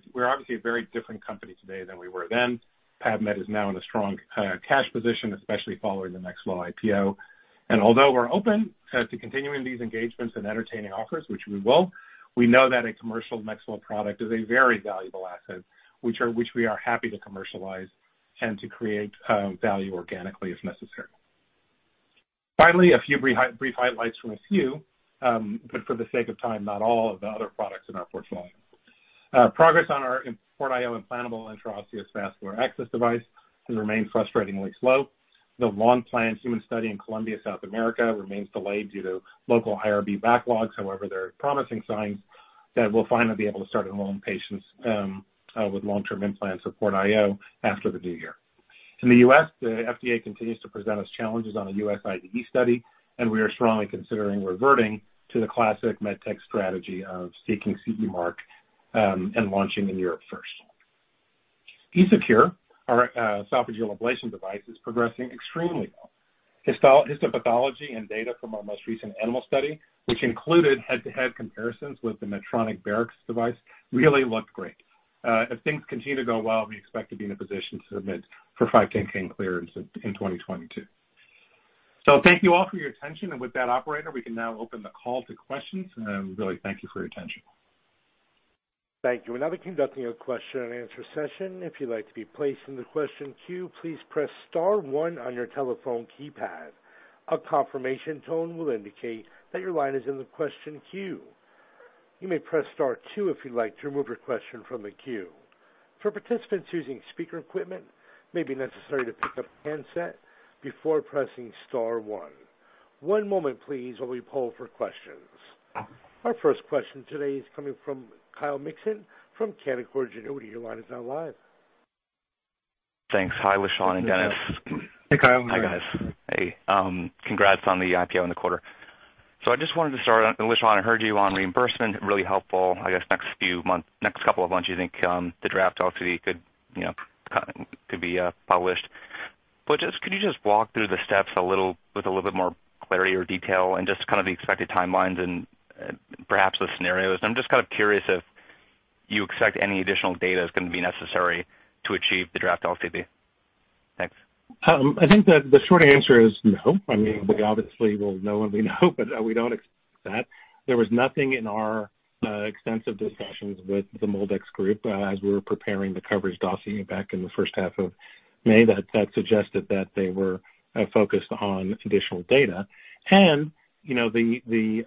different company today than we were then. PAVmed is now in a strong cash position, especially following the NextFlo IPO. Although we're open to continuing these engagements and entertaining offers, which we will, we know that a commercial NextFlo product is a very valuable asset, which we are happy to commercialize and to create value organically if necessary. Finally, a few brief high-level highlights, but for the sake of time, not all of the other products in our portfolio. Progress on our PortIO implantable intraosseous vascular access device has remained frustratingly slow. The long-planned human study in Colombia, South America remains delayed due to local IRB backlogs. However, there are promising signs that we'll finally be able to start enrolling patients with long-term implants of PortIO after the new year. In the U.S., the FDA continues to present us challenges on a U.S. IDE study, and we are strongly considering reverting to the classic med tech strategy of seeking CE mark and launching in Europe first. EsoCure, our esophageal ablation device is progressing extremely well. Histopathology and data from our most recent animal study, which included head-to-head comparisons with the Medtronic Barrx device, really looked great. If things continue to go well, we expect to be in a position to submit for 510(k) clearance in 2022. Thank you all for your attention. With that, operator, we can now open the call to questions. We really thank you for your attention. Thank you. We're now conducting a question and answer session. If you'd like to be placed in the question queue, please press star one on your telephone keypad. A confirmation tone will indicate that your line is in the question queue. You may press star two if you'd like to remove your question from the queue. For participants using speaker equipment, it may be necessary to pick up the handset before pressing star one. One moment please, while we poll for questions. Our first question today is coming from Kyle Mikson from Canaccord Genuity. Your line is now live. Thanks. Hi, Lishan and Dennis. Hey, Kyle. Hi, guys. Hey, congrats on the IPO in the quarter. I just wanted to start, Lishan, I heard you on reimbursement, really helpful. I guess next couple of months, you think, the draft LCD could, you know, be published. But just, could you just walk through the steps a little, with a little bit more clarity or detail and just kind of the expected timelines and perhaps the scenarios? I'm just kind of curious if you expect any additional data is gonna be necessary to achieve the draft LCD. Thanks. I think that the short answer is no. I mean, we obviously will know when we know, but we don't expect that. There was nothing in our extensive discussions with the MolDX group as we were preparing the coverage dossier back in the first half of May that suggested that they were focused on additional data. You know, the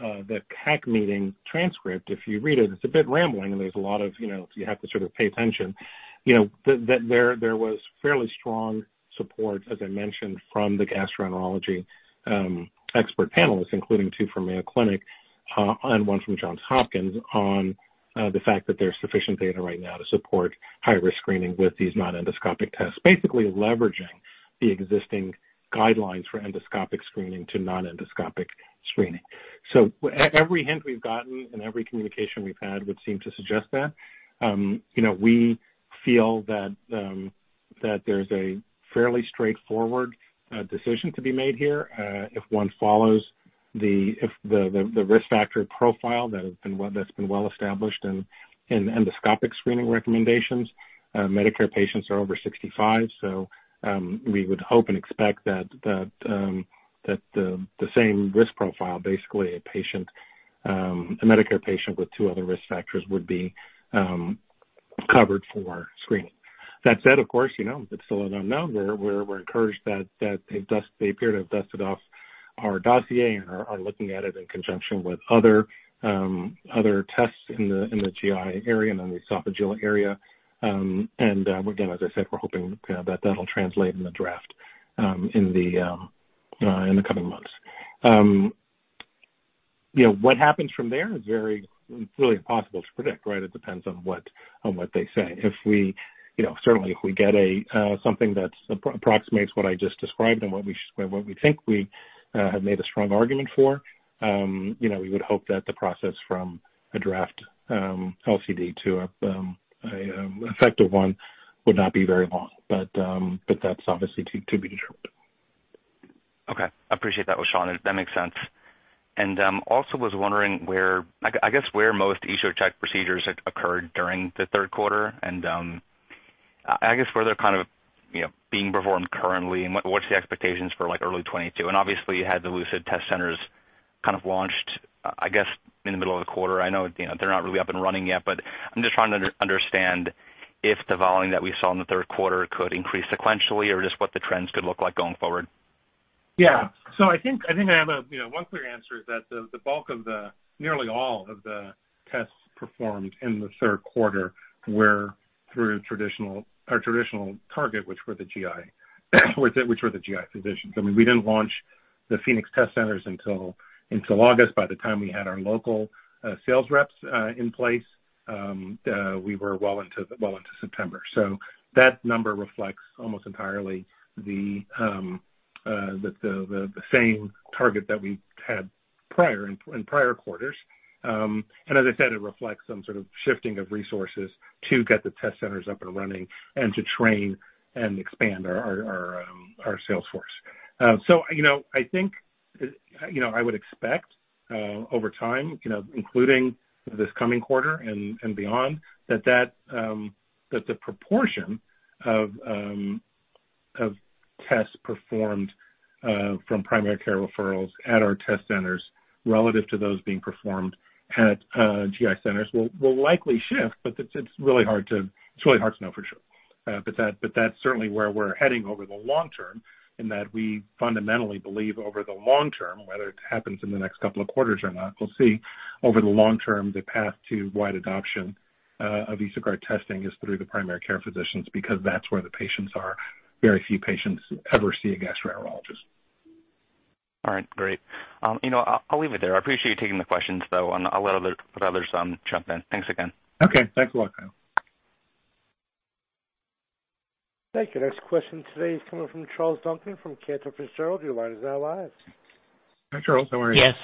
CAC meeting transcript, if you read it's a bit rambling, and there's a lot of, you know, you have to sort of pay attention. You know, there was fairly strong support, as I mentioned, from the gastroenterology expert panelists, including two from Mayo Clinic. One from Johns Hopkins on the fact that there's sufficient data right now to support high risk screening with these non-endoscopic tests. Basically leveraging the existing guidelines for endoscopic screening to non-endoscopic screening. Every hint we've gotten and every communication we've had would seem to suggest that. You know, we feel that there's a fairly straightforward decision to be made here. If one follows the risk factor profile that's been well-established in endoscopic screening recommendations. Medicare patients are over 65, so we would hope and expect that the same risk profile, basically a patient, a Medicare patient with two other risk factors would be covered for screening. That said, of course, you know, it's still an unknown. We're encouraged that they've dusted off our dossier and are looking at it in conjunction with other tests in the GI area and in the esophageal area. Again, as I said, we're hoping that that'll translate in the draft in the coming months. You know, what happens from there is really impossible to predict, right? It depends on what they say. You know, certainly if we get something that's approximates what I just described and what we think we have made a strong argument for, you know, we would hope that the process from a draft LCD to an effective one would not be very long. That's obviously to be determined. Okay. Appreciate that, Lishan. That makes sense. I was also wondering where I guess most EsoCheck procedures occurred during the third quarter, and I guess where they're kind of, you know, being performed currently and what's the expectations for, like, early 2022? Obviously you had the Lucid test centers kind of launched, I guess in the middle of the quarter. I know, you know, they're not really up and running yet, but I'm just trying to understand if the volume that we saw in the third quarter could increase sequentially or just what the trends could look like going forward. Yeah. I think I have a, you know, one clear answer is that the bulk of nearly all of the tests performed in the third quarter were through our traditional target, which were the GI physicians. I mean, we didn't launch the Phoenix test centers until August. By the time we had our local sales reps in place, we were well into September. That number reflects almost entirely the same target that we had prior in prior quarters. And as I said, it reflects some sort of shifting of resources to get the test centers up and running and to train and expand our sales force. You know, I think you know I would expect over time you know including this coming quarter and beyond that the proportion of tests performed from primary care referrals at our test centers relative to those being performed at GI centers will likely shift, but it's really hard to know for sure. That's certainly where we're heading over the long term and that we fundamentally believe over the long term, whether it happens in the next couple of quarters or not, we'll see. Over the long term, the path to wide adoption of EsoGuard testing is through the primary care physicians because that's where the patients are. Very few patients ever see a gastroenterologist. All right, great. You know, I'll leave it there. I appreciate you taking the questions, though, and I'll let others jump in. Thanks again. Okay. Thanks a lot, Kyle. Thank you. Next question today is coming from Charles Duncan from Cantor Fitzgerald. Your line is now live. Hi, Charles. How are you? Yes,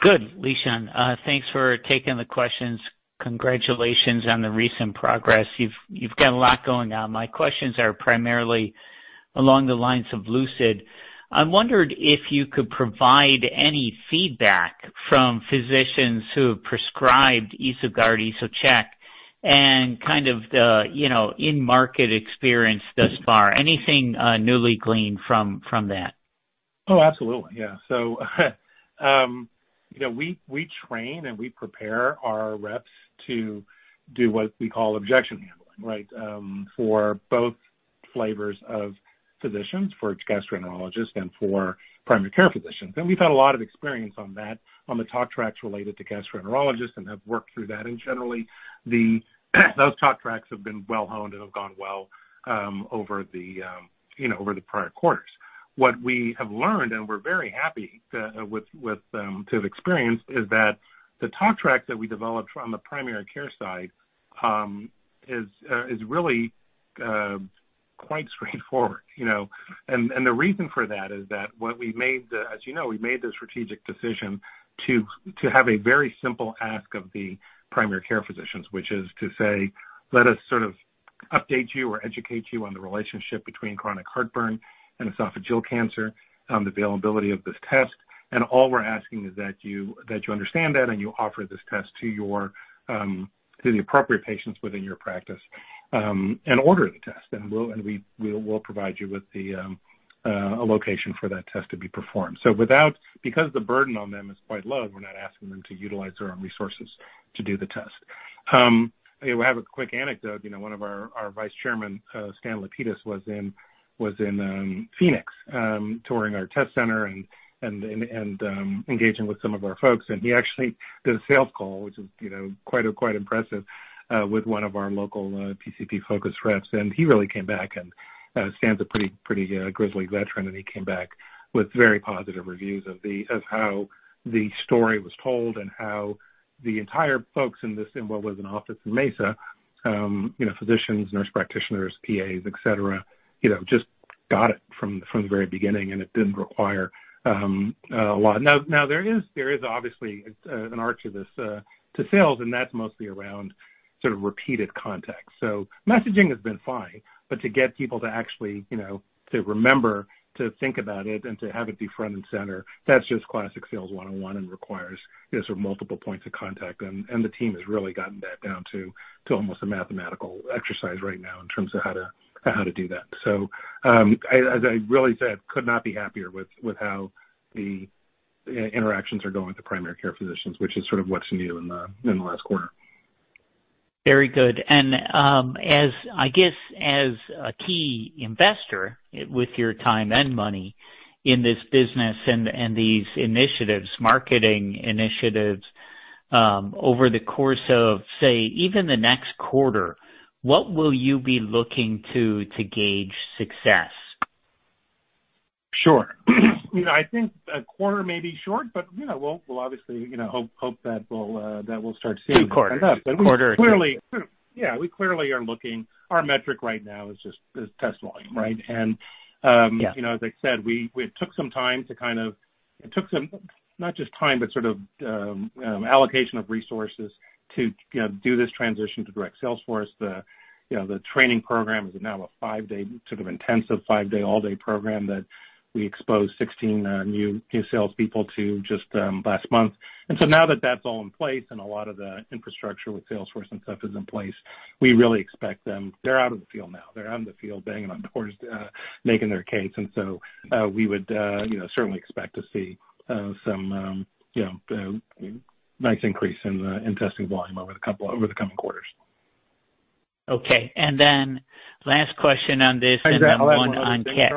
good, Lishan. Thanks for taking the questions. Congratulations on the recent progress. You've got a lot going on. My questions are primarily along the lines of Lucid. I wondered if you could provide any feedback from physicians who have prescribed EsoGuard, EsoCheck, and kind of the, you know, in-market experience thus far. Anything newly gleaned from that? Oh, absolutely. Yeah. You know, we train and we prepare our reps to do what we call objection handling, right? For both flavors of physicians, for gastroenterologists and for primary care physicians. We've had a lot of experience on that, on the talk tracks related to gastroenterologists and have worked through that. Generally, those talk tracks have been well honed and have gone well over the prior quarters. What we have learned, and we're very happy to have experienced, is that the talk track that we developed on the primary care side is really quite straightforward, you know. The reason for that is that what we made the as you know, we made the strategic decision to have a very simple ask of the primary care physicians, which is to say, "Let us sort of update you or educate you on the relationship between chronic heartburn and esophageal cancer, availability of this test. All we're asking is that you understand that and you offer this test to your appropriate patients within your practice, and order the test. We'll provide you with a location for that test to be performed." Because the burden on them is quite low, we're not asking them to utilize their own resources to do the test. You know, I have a quick anecdote. You know, one of our Vice Chairman, Stanley Lapidus, was in Phoenix, touring our test center and engaging with some of our folks, and he actually did a sales call, which is, you know, quite impressive, with one of our local PCP-focused reps. He really came back and Stan's a pretty grizzly veteran, and he came back with very positive reviews of how the story was told and how the entire folks in this, in what was an office in Mesa, you know, physicians, nurse practitioners, PAs, et cetera, you know, just got it from the very beginning and it didn't require a lot. Now there is obviously an art to this, to sales, and that's mostly around sort of repeated contacts. Messaging has been fine, but to get people to actually, you know, to remember to think about it and to have it be front and center, that's just classic sales one-on-one and requires, you know, sort of multiple points of contact. The team has really gotten that down to almost a mathematical exercise right now in terms of how to do that. As I really said, I could not be happier with how the interactions are going with the primary care physicians, which is sort of what's new in the last quarter. Very good. As a key investor with your time and money in this business and these initiatives, marketing initiatives, over the course of, say, even the next quarter, what will you be looking to gauge success? Sure. You know, I think a quarter may be short, but, you know, we'll obviously, you know, hope that we'll start seeing. 2 quarter. Yeah, we clearly are looking. Our metric right now is just test volume, right? And Yeah. You know, as I said, it took some time, not just time, but sort of allocation of resources to, you know, do this transition to direct Salesforce. The, you know, the training program is now a five-day, sort of intensive five-day all day program that we exposed 16 new salespeople to just last month. Now that that's all in place and a lot of the infrastructure with Salesforce and stuff is in place, we really expect them. They're out in the field now. They're out in the field banging on doors, making their case. We would, you know, certainly expect to see some, you know, nice increase in testing volume over the coming quarters. Okay. Last question on this and then one on tech.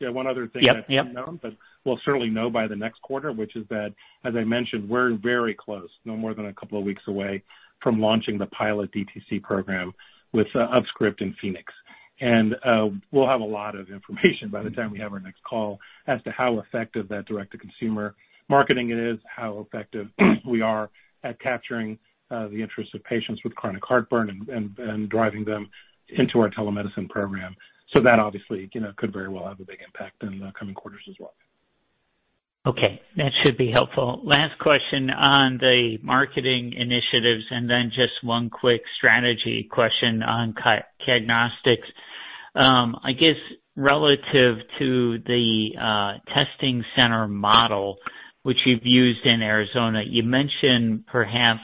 Yeah, one other thing that I should know, but we'll certainly know by the next quarter, which is that, as I mentioned, we're very close, no more than a couple of weeks away from launching the pilot DTC program with UpScript in Phoenix. We'll have a lot of information by the time we have our next call as to how effective that direct-to-consumer marketing is, how effective we are at capturing the interest of patients with chronic heartburn and driving them into our telemedicine program. That obviously, you know, could very well have a big impact in the coming quarters as well. Okay, that should be helpful. Last question on the marketing initiatives, and then just one quick strategy question on CapNostics. I guess relative to the testing center model which you've used in Arizona, you mentioned perhaps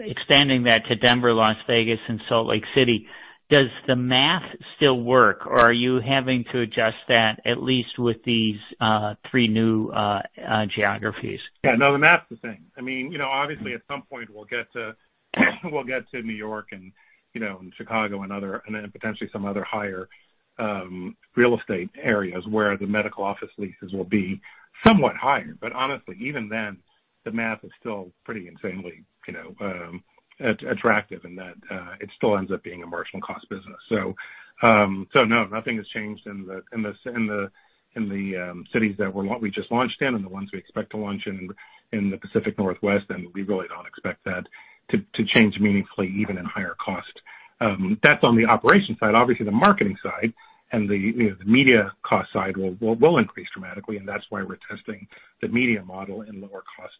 expanding that to Denver, Las Vegas, and Salt Lake City. Does the math still work, or are you having to adjust that at least with these three new geographies? Yeah, no, the math's the thing. I mean, you know, obviously at some point we'll get to New York and, you know, Chicago and other, and then potentially some other higher real estate areas where the medical office leases will be somewhat higher. Honestly, even then the math is still pretty insanely, you know, attractive in that it still ends up being a marginal cost business. No, nothing has changed in the cities that we just launched in and the ones we expect to launch in the Pacific Northwest, and we really don't expect that to change meaningfully even in higher cost. That's on the operations side. Obviously, the marketing side and the, you know, the media cost side will increase dramatically, and that's why we're testing the media model in lower cost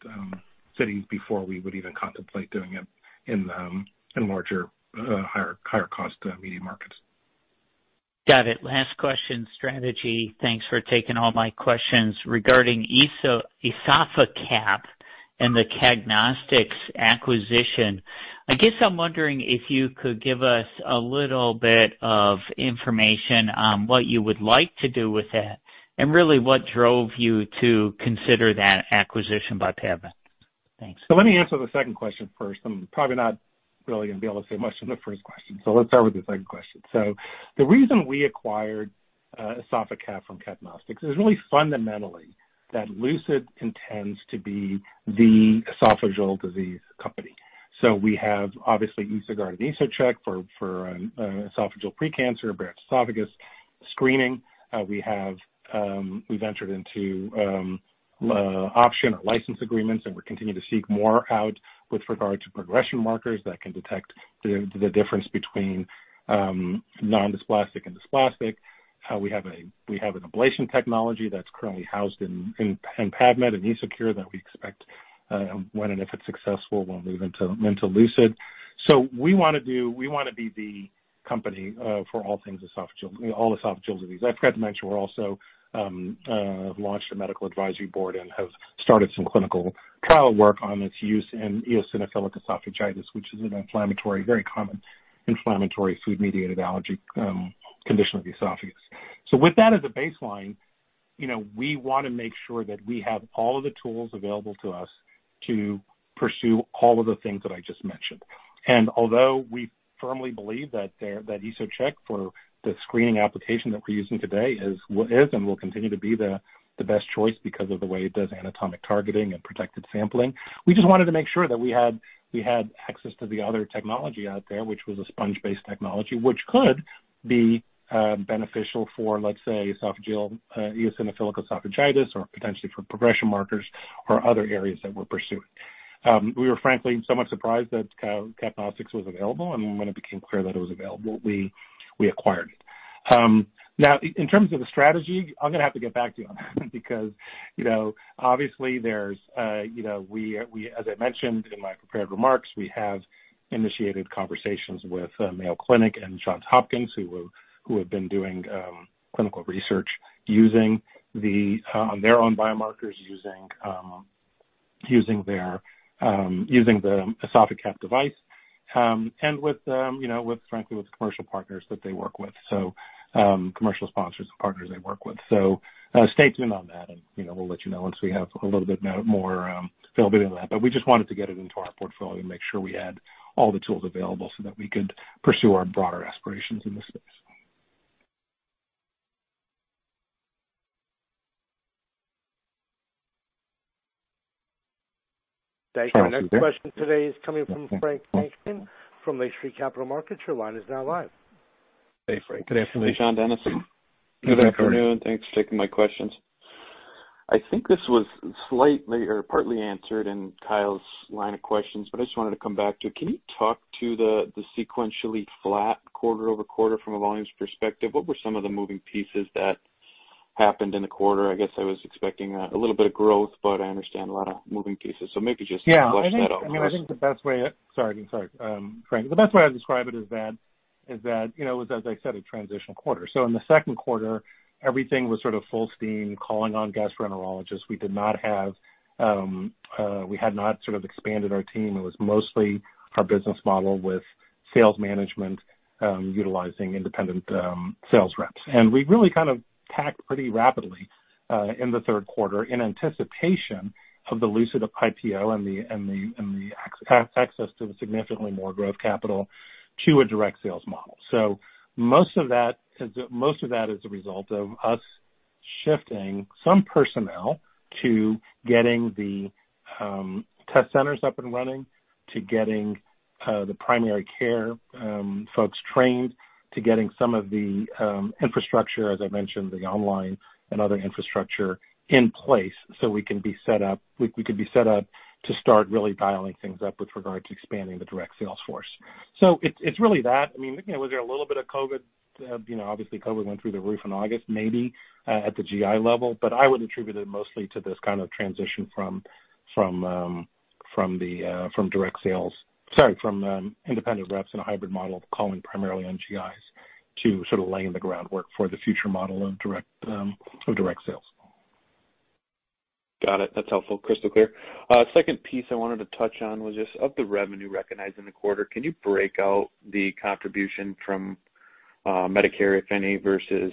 cities before we would even contemplate doing it in larger higher cost media markets. Got it. Last question, strategy. Thanks for taking all my questions. Regarding EsophaCap and the CapNostics acquisition, I guess I'm wondering if you could give us a little bit of information on what you would like to do with that and really what drove you to consider that acquisition by PAVmed. Thanks. Let me answer the second question first. I'm probably not really gonna be able to say much on the first question, so let's start with the second question. The reason we acquired EsophaCap from CapNostics is really fundamentally that Lucid intends to be the esophageal disease company. We have obviously EsoGuard and EsoCheck for esophageal pre-cancer, Barrett's esophagus screening. We have, we've entered into option or license agreements and we continue to seek more out with regard to progression markers that can detect the difference between non-dysplastic and dysplastic. We have an ablation technology that's currently housed in PAVmed, in EsoCure, that we expect, when and if it's successful, will move into Lucid. We wanna be the company for all things esophageal, all esophageal disease. I forgot to mention we're also launched a medical advisory board and have started some clinical trial work on its use in eosinophilic esophagitis, which is an inflammatory, very common food-mediated allergy, condition of the esophagus. With that as a baseline, you know, we wanna make sure that we have all of the tools available to us to pursue all of the things that I just mentioned. Although we firmly believe that EsoCheck for the screening application that we're using today is and will continue to be the best choice because of the way it does anatomic targeting and protected sampling, we just wanted to make sure that we had access to the other technology out there, which was a sponge-based technology, which could be beneficial for, let's say, esophageal eosinophilic esophagitis or potentially for progression markers or other areas that we're pursuing. We were frankly somewhat surprised that CapNostics was available, and when it became clear that it was available, we acquired it. Now in terms of the strategy, I'm gonna have to get back to you on that because, you know, obviously there's, you know, we as I mentioned in my prepared remarks, we have initiated conversations with Mayo Clinic and Johns Hopkins, who have been doing clinical research using their own biomarkers using the EsophaCap device and with, you know, with frankly, with the commercial partners that they work with. Commercial sponsors and partners they work with. Stay tuned on that and, you know, we'll let you know once we have a little bit more to fill in that. But we just wanted to get it into our portfolio to make sure we had all the tools available so that we could pursue our broader aspirations in this space. Thank you. Our next question today is coming from Frank Takkinen from Lake Street Capital Markets. Your line is now live. Hey, Frank. Good afternoon. Hey, Lishan. Dennis. Good afternoon. Good afternoon. Thanks for taking my questions. I think this was slightly or partly answered in Kyle's line of questions, but I just wanted to come back to it. Can you talk to the sequentially flat quarter-over-quarter from a volumes perspective? What were some of the moving pieces that happened in the quarter? I guess I was expecting a little bit of growth, but I understand a lot of moving pieces, so maybe just. Yeah. Flesh that out for us. I think the best way to describe it is that, you know, as I said, a transitional quarter. In the second quarter, everything was sort of full steam, calling on gastroenterologists. We had not sort of expanded our team. It was mostly our business model with sales management, utilizing independent sales reps. We really kind of pivoted pretty rapidly in the third quarter in anticipation of the Lucid IPO and the access to significantly more growth capital to a direct sales model. Most of that is a result of us shifting some personnel to getting the test centers up and running, to getting the primary care folks trained, to getting some of the infrastructure, as I mentioned, the online and other infrastructure in place so we could be set up to start really dialing things up with regard to expanding the direct sales force. It's really that. I mean, you know, was there a little bit of COVID? You know, obviously COVID went through the roof in August, maybe, at the GI level, but I would attribute it mostly to this kind of transition from direct sales. Sorry, from independent reps in a hybrid model of calling primarily NGIs to sort of laying the groundwork for the future model of direct sales. Got it. That's helpful. Crystal clear. Second piece I wanted to touch on was just of the revenue recognized in the quarter, can you break out the contribution from, Medicare, if any, versus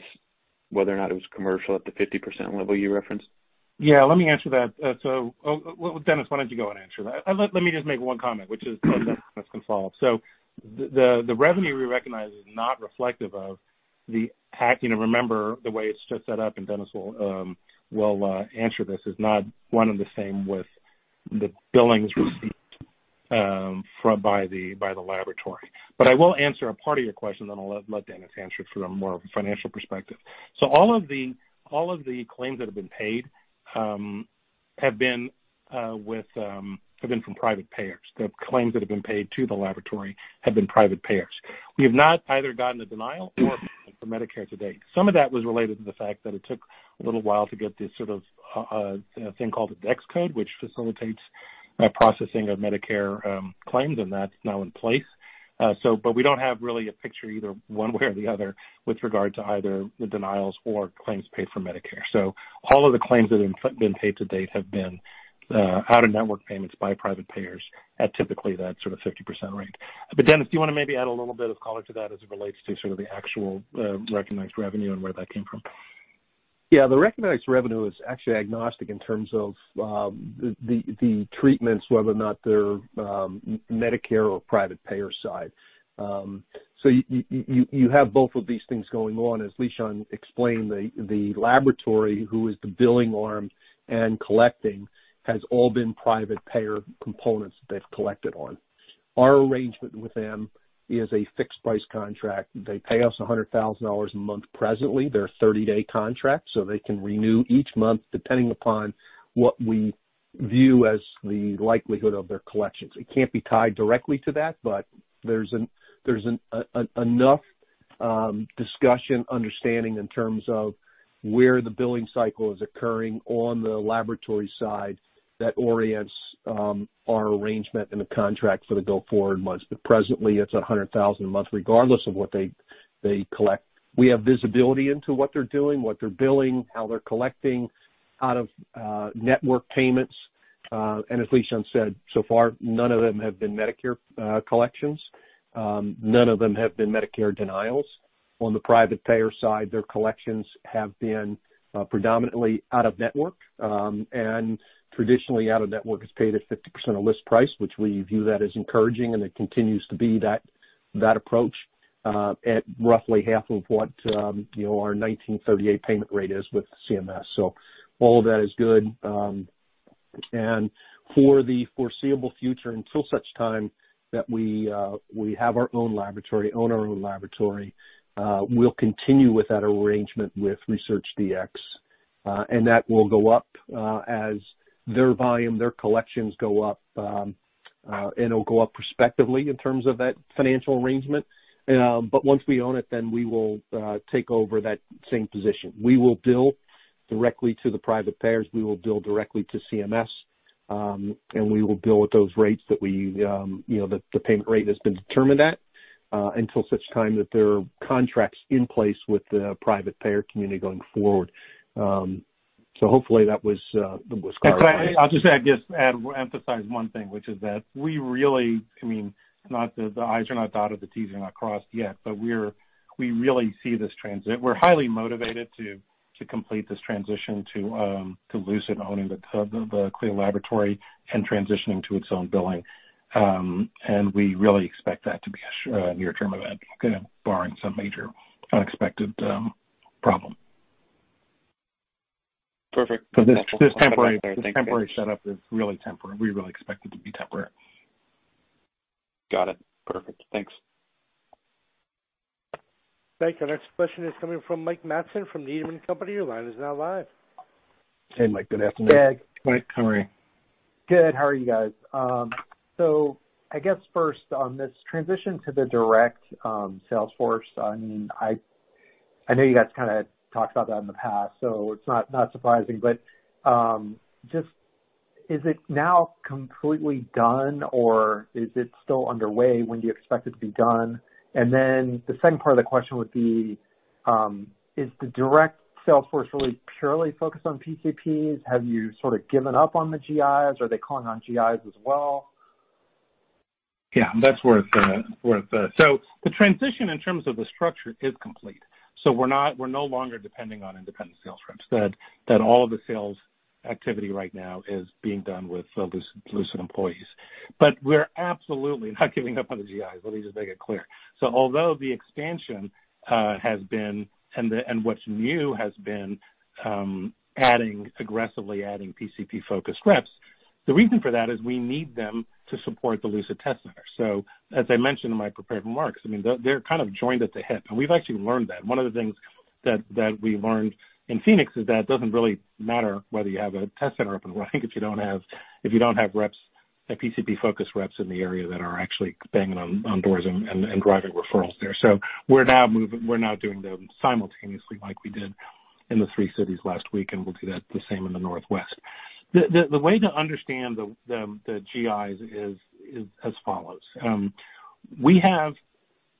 whether or not it was commercial at the 50% level you referenced? Yeah, let me answer that. Oh, well, Dennis, why don't you go and answer that? Let me just make one comment, which is- Sure. Dennis can follow up. The revenue we recognize is not reflective of the backlog. You know, remember, the way it's set up, and Dennis will answer this, is not one and the same with the billings received from the laboratory. I will answer a part of your question, then I'll let Dennis answer it from a more financial perspective. All of the claims that have been paid have been from private payers. The claims that have been paid to the laboratory have been from private payers. We have not either gotten a denial or payment from Medicare to date. Some of that was related to the fact that it took a little while to get this sort of thing called a Dex code, which facilitates processing of Medicare claims, and that's now in place. We don't have really a picture either one way or the other with regard to either the denials or claims paid for Medicare. All of the claims that have been paid to date have been out-of-network payments by private payers at typically that sort of 50% rate. Dennis, do you wanna maybe add a little bit of color to that as it relates to sort of the actual recognized revenue and where that came from? Yeah. The recognized revenue is actually agnostic in terms of the treatments, whether or not they're Medicare or private payer side. You have both of these things going on. As Lishan explained, the laboratory, who is the billing arm and collecting, has all been private payer components they've collected on. Our arrangement with them is a fixed price contract. They pay us $100,000 a month presently. They're a 30-day contract, so they can renew each month depending upon what we view as the likelihood of their collections. It can't be tied directly to that, but there's enough discussion understanding in terms of where the billing cycle is occurring on the laboratory side that orients our arrangement and the contract for the go forward months. Presently, it's 100,000 a month regardless of what they collect. We have visibility into what they're doing, what they're billing, how they're collecting out-of-network payments. As Lishan said, so far none of them have been Medicare collections. None of them have been Medicare denials. On the private payer side, their collections have been predominantly out-of-network, and traditionally out-of-network is paid at 50% of list price, which we view that as encouraging, and it continues to be that approach at roughly half of what you know, our nineteen thirty-eight payment rate is with CMS. All of that is good. For the foreseeable future, until such time that we have our own laboratory, we'll continue with that arrangement with ResearchDx. That will go up as their volume, their collections go up. It'll go up prospectively in terms of that financial arrangement. Once we own it, we will take over that same position. We will bill directly to the private payers. We will bill directly to CMS, and we will bill at those rates that we, you know, the payment rate has been determined at, until such time that there are contracts in place with the private payer community going forward. Hopefully that was clear. I'll just add, emphasize one thing, which is that we really, I mean, the i's are not dotted, the t's are not crossed yet, but we really see this transition. We're highly motivated to complete this transition to Lucid owning the CLIA laboratory and transitioning to its own billing. We really expect that to be a near-term event barring some major unexpected problem. Perfect. This temporary setup is really temporary. We really expect it to be temporary. Got it. Perfect. Thanks. Thank you. Next question is coming from Mike Matson from Needham & Company. Your line is now live. Hey, Mike, good afternoon. Mike, how are you? Good. How are you guys? I guess first on this transition to the direct sales force, I mean, I know you guys kind of talked about that in the past, so it's not surprising, but just, is it now completely done or is it still underway? When do you expect it to be done? The second part of the question would be, is the direct sales force really purely focused on PCPs? Have you sort of given up on the GIs or are they calling on GIs as well? Yeah, that's worth. The transition in terms of the structure is complete. We're no longer depending on independent sales reps. That all of the sales activity right now is being done with Lucid employees. But we're absolutely not giving up on the GIs. Let me just make it clear. Although the expansion has been, and what's new has been aggressively adding PCP-focused reps, the reason for that is we need them to support the Lucid test center. As I mentioned in my prepared remarks, I mean, they're kind of joined at the hip, and we've actually learned that. One of the things that we learned in Phoenix is that it doesn't really matter whether you have a test center up and running if you don't have reps, PCP-focused reps in the area that are actually banging on doors and driving referrals there. We're now doing them simultaneously like we did in the three cities last week, and we'll do that the same in the Northwest. The way to understand the GIs is as follows. We have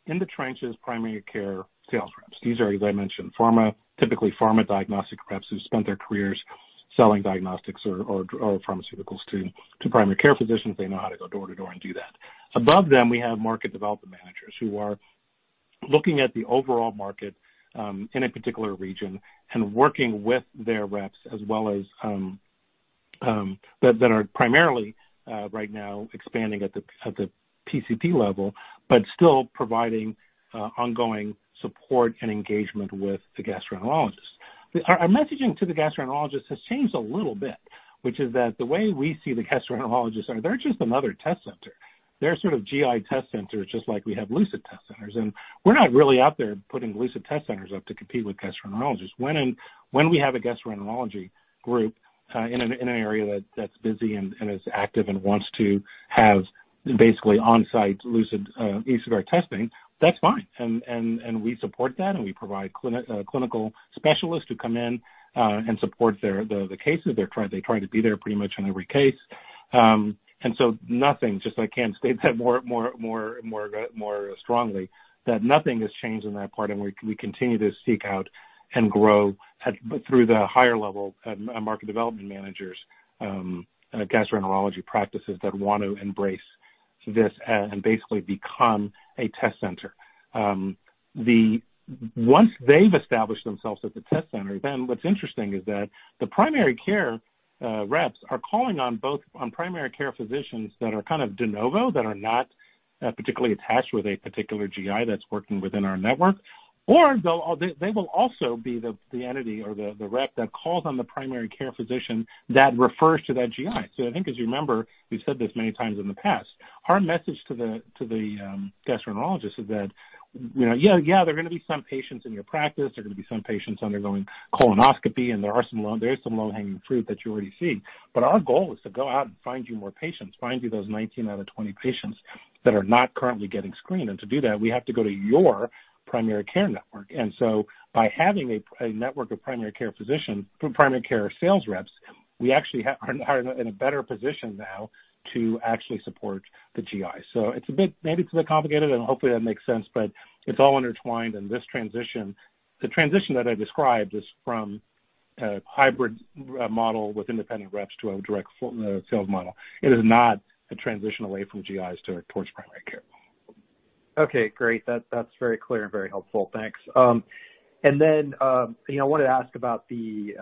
in the trenches primary care sales reps. These are, as I mentioned, typically pharma diagnostic reps who've spent their careers selling diagnostics or pharmaceuticals to primary care physicians. They know how to go door to door and do that. Above them, we have market development managers who are looking at the overall market in a particular region and working with their reps as well as that are primarily right now expanding at the PCP level, but still providing ongoing support and engagement with the gastroenterologists. Our messaging to the gastroenterologist has changed a little bit, which is that the way we see the gastroenterologists are, they're just another test center. They're sort of GI test centers, just like we have Lucid test centers, and we're not really out there putting Lucid test centers up to compete with gastroenterologists. When we have a gastroenterology group in an area that's busy and is active and wants to have basically on-site Lucid EsoGuard testing, that's fine, and we support that, and we provide clinical specialists who come in and support the cases they try. They try to be there pretty much in every case. Nothing has changed in that part, and we continue to seek out and grow through the higher level market development managers gastroenterology practices that want to embrace this and basically become a test center. Once they've established themselves as a test center, then what's interesting is that the primary care reps are calling on both primary care physicians that are kind of de novo, that are not particularly attached with a particular GI that's working within our network, or they will also be the entity or the rep that calls on the primary care physician that refers to that GI. I think as you remember, we've said this many times in the past, our message to the gastroenterologist is that, you know, yeah, there are gonna be some patients in your practice. There are gonna be some patients undergoing colonoscopy, and there is some low-hanging fruit that you already see. Our goal is to go out and find you more patients, find you those 19 out of 20 patients that are not currently getting screened. To do that, we have to go to your primary care network. By having a network of primary care physicians, primary care sales reps, we actually are in a better position now to actually support the GI. It's a bit, maybe it's a bit complicated, and hopefully that makes sense, but it's all intertwined in this transition. The transition that I described is from a hybrid model with independent reps to a direct sales model. It is not a transition away from GIs towards primary care. Okay, great. That's very clear and very helpful. Thanks. You know, I wanted to ask about the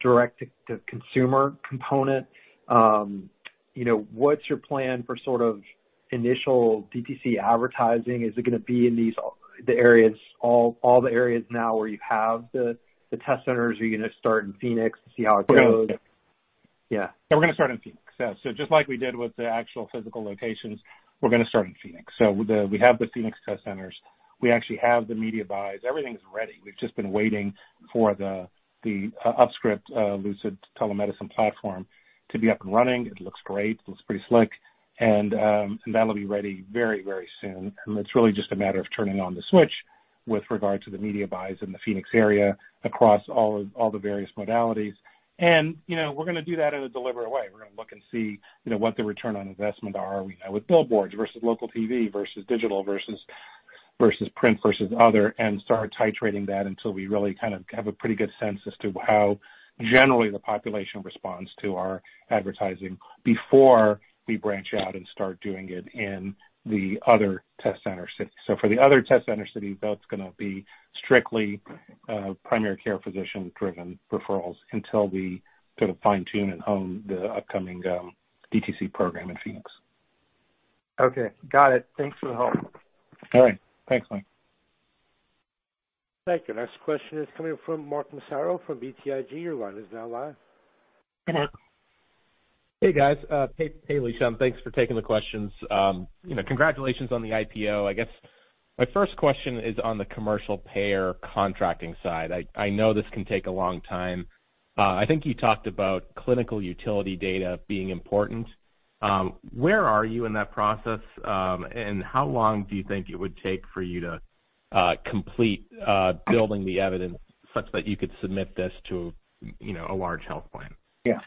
direct to consumer component. You know, what's your plan for sort of initial DTC advertising? Is it gonna be in these areas, all the areas now where you have the test centers? Are you gonna start in Phoenix to see how it goes? Yeah. We're gonna start in Phoenix. Just like we did with the actual physical locations, we're gonna start in Phoenix. We have the Phoenix test centers. We actually have the media buys. Everything's ready. We've just been waiting for the UpScript Lucid telemedicine platform to be up and running. It looks great. It looks pretty slick. That'll be ready very, very soon. It's really just a matter of turning on the switch with regard to the media buys in the Phoenix area across all the various modalities. You know, we're gonna do that in a deliberate way. We're gonna look and see, you know, what the return on investment are, you know, with billboards versus local TV versus digital, versus print, versus other, and start titrating that until we really kind of have a pretty good sense as to how generally the population responds to our advertising before we branch out and start doing it in the other test center cities. For the other test center cities, that's gonna be strictly primary care physician-driven referrals until we sort of fine-tune and hone the upcoming DTC program in Phoenix. Okay. Got it. Thanks for the help. All right. Thanks, Mike. Thank you. Next question is coming from Mark Massaro from BTIG. Your line is now live. Hello. Hey, guys. Hey, Lishan. Thanks for taking the questions. You know, congratulations on the IPO. I guess my first question is on the commercial payer contracting side. I know this can take a long time. I think you talked about clinical utility data being important. Where are you in that process, and how long do you think it would take for you to complete building the evidence such that you could submit this to, you know, a large health plan? Yeah.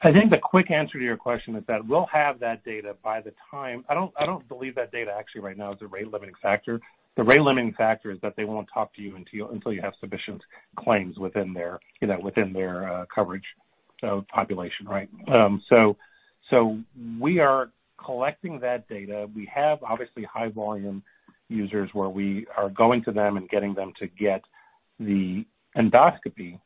I think the quick answer to your question is that we'll have that data by the time I don't believe that data actually right now is a rate limiting factor. The rate limiting factor is that they won't talk to you until you have sufficient claims within their, you know, within their coverage population, right? So we are collecting that data. We have obviously high volume users where we are going to them and getting them to get the endoscopy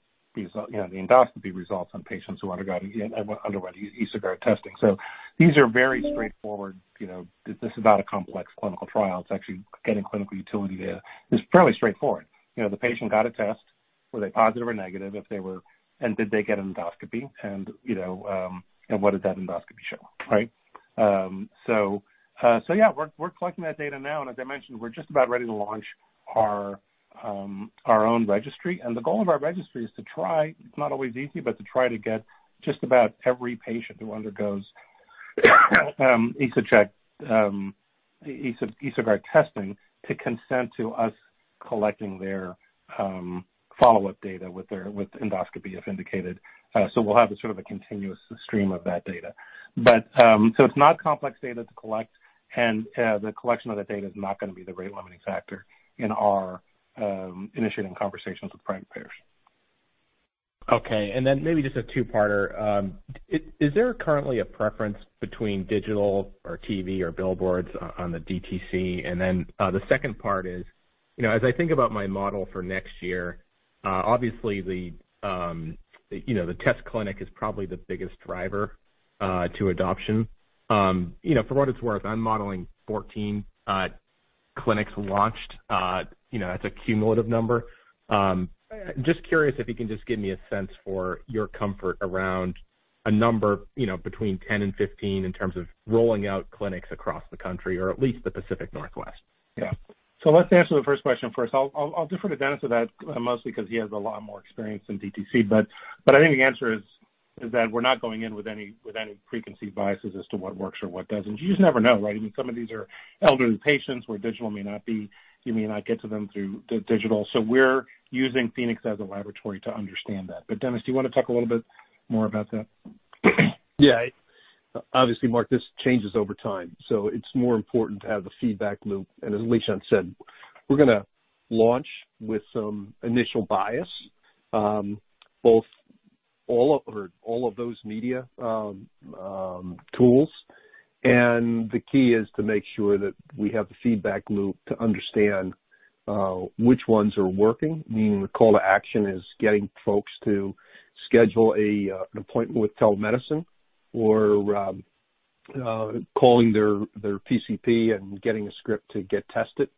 results on patients who underwent EsoGuard testing. So these are very straightforward, you know, this is not a complex clinical trial. It's actually getting clinical utility data. It's fairly straightforward. You know, the patient got a test, were they positive or negative? If they were, and did they get an endoscopy? You know, what did that endoscopy show, right? Yeah, we're collecting that data now, and as I mentioned, we're just about ready to launch our own registry. The goal of our registry is to try, it's not always easy, but to try to get just about every patient who undergoes EsoCheck EsoGuard testing to consent to us collecting their follow-up data with their endoscopy if indicated. We'll have a sort of a continuous stream of that data. It's not complex data to collect and the collection of that data is not gonna be the rate limiting factor in our initiating conversations with private payers. Okay, maybe just a two-parter. Is there currently a preference between digital or TV or billboards on the DTC? The second part is, you know, as I think about my model for next year, obviously the test clinic is probably the biggest driver to adoption. You know, for what it's worth, I'm modeling 14 clinics launched. You know, that's a cumulative number. Just curious if you can just give me a sense for your comfort around a number, you know, between 10 and 15 in terms of rolling out clinics across the country or at least the Pacific Northwest. Yeah. Let's answer the first question first. I'll defer to Dennis on that mostly 'cause he has a lot more experience in DTC, but I think the answer is that we're not going in with any preconceived biases as to what works or what doesn't. You just never know, right? I mean, some of these are elderly patients where digital may not be. You may not get to them through digital. We're using Phoenix as a laboratory to understand that. Dennis, do you wanna talk a little bit more about that? Yeah. Obviously, Mark, this changes over time, so it's more important to have the feedback loop. As Lishan said, we're gonna launch with some initial bias, all of those media tools. The key is to make sure that we have the feedback loop to understand which ones are working, meaning the call to action is getting folks to schedule an appointment with telemedicine or calling their PCP and getting a script to get tested.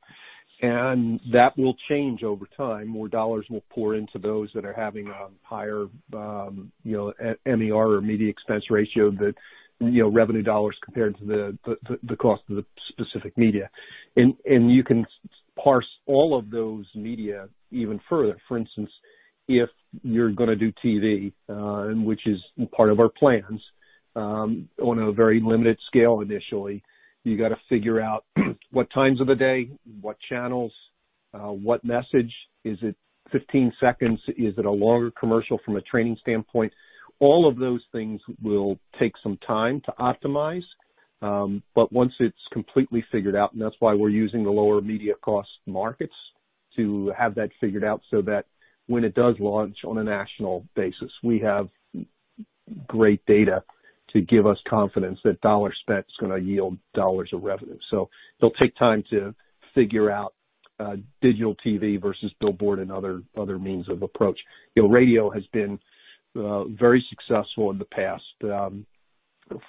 That will change over time. More dollars will pour into those that are having a higher, you know, MER or media expense ratio that, you know, revenue dollars compared to the cost of the specific media. You can parse all of those media even further. For instance, if you're gonna do TV, and which is part of our plans, on a very limited scale initially, you gotta figure out what times of the day, what channels, what message. Is it 15 seconds? Is it a longer commercial from a training standpoint? All of those things will take some time to optimize. Once it's completely figured out, and that's why we're using the lower media cost markets to have that figured out so that when it does launch on a national basis, we have great data to give us confidence that dollar spent is gonna yield dollars of revenue. It'll take time to figure out, digital TV versus billboard and other means of approach. You know, radio has been very successful in the past,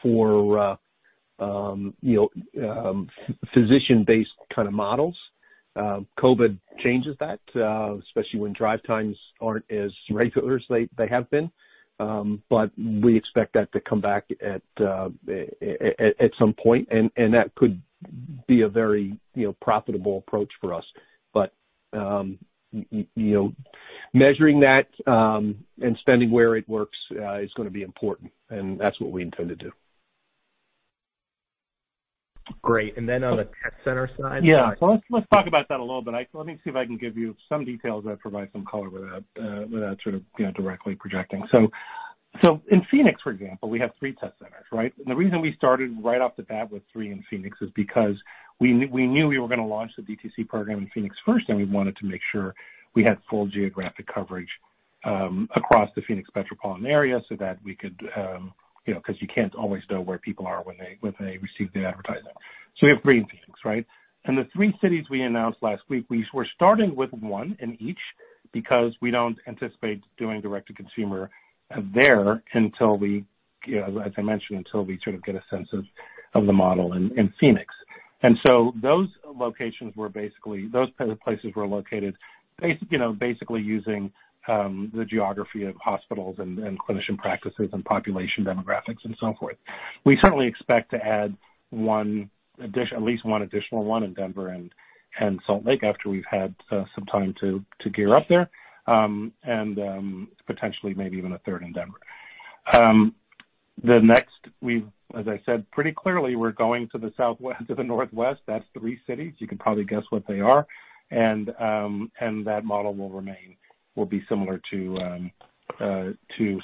for You know, physician-based kind of models. COVID changes that, especially when drive times aren't as regular as they have been. We expect that to come back at some point, and that could be a very, you know, profitable approach for us. You know, measuring that and spending where it works is gonna be important, and that's what we intend to do. Great. On the test center side. Yeah. Let's talk about that a little bit. Let me see if I can give you some details that provide some color without without sort of, you know, directly projecting. In Phoenix, for example, we have three test centers, right? The reason we started right off the bat with three in Phoenix is because we knew we were gonna launch the DTC program in Phoenix first, and we wanted to make sure we had full geographic coverage across the Phoenix metropolitan area so that we could, you know, 'cause you can't always know where people are when they receive the advertising. We have three in Phoenix, right? The three cities we announced last week, we're starting with one in each because we don't anticipate doing direct to consumer there until we, you know, as I mentioned, until we sort of get a sense of the model in Phoenix. Those locations were basically those kind of places located basically using the geography of hospitals and clinician practices and population demographics and so forth. We certainly expect to add at least one additional one in Denver and Salt Lake after we've had some time to gear up there, and potentially maybe even a third in Denver. As I said, pretty clearly we're going to the southwest, to the northwest. That's three cities. You can probably guess what they are. That model will be similar to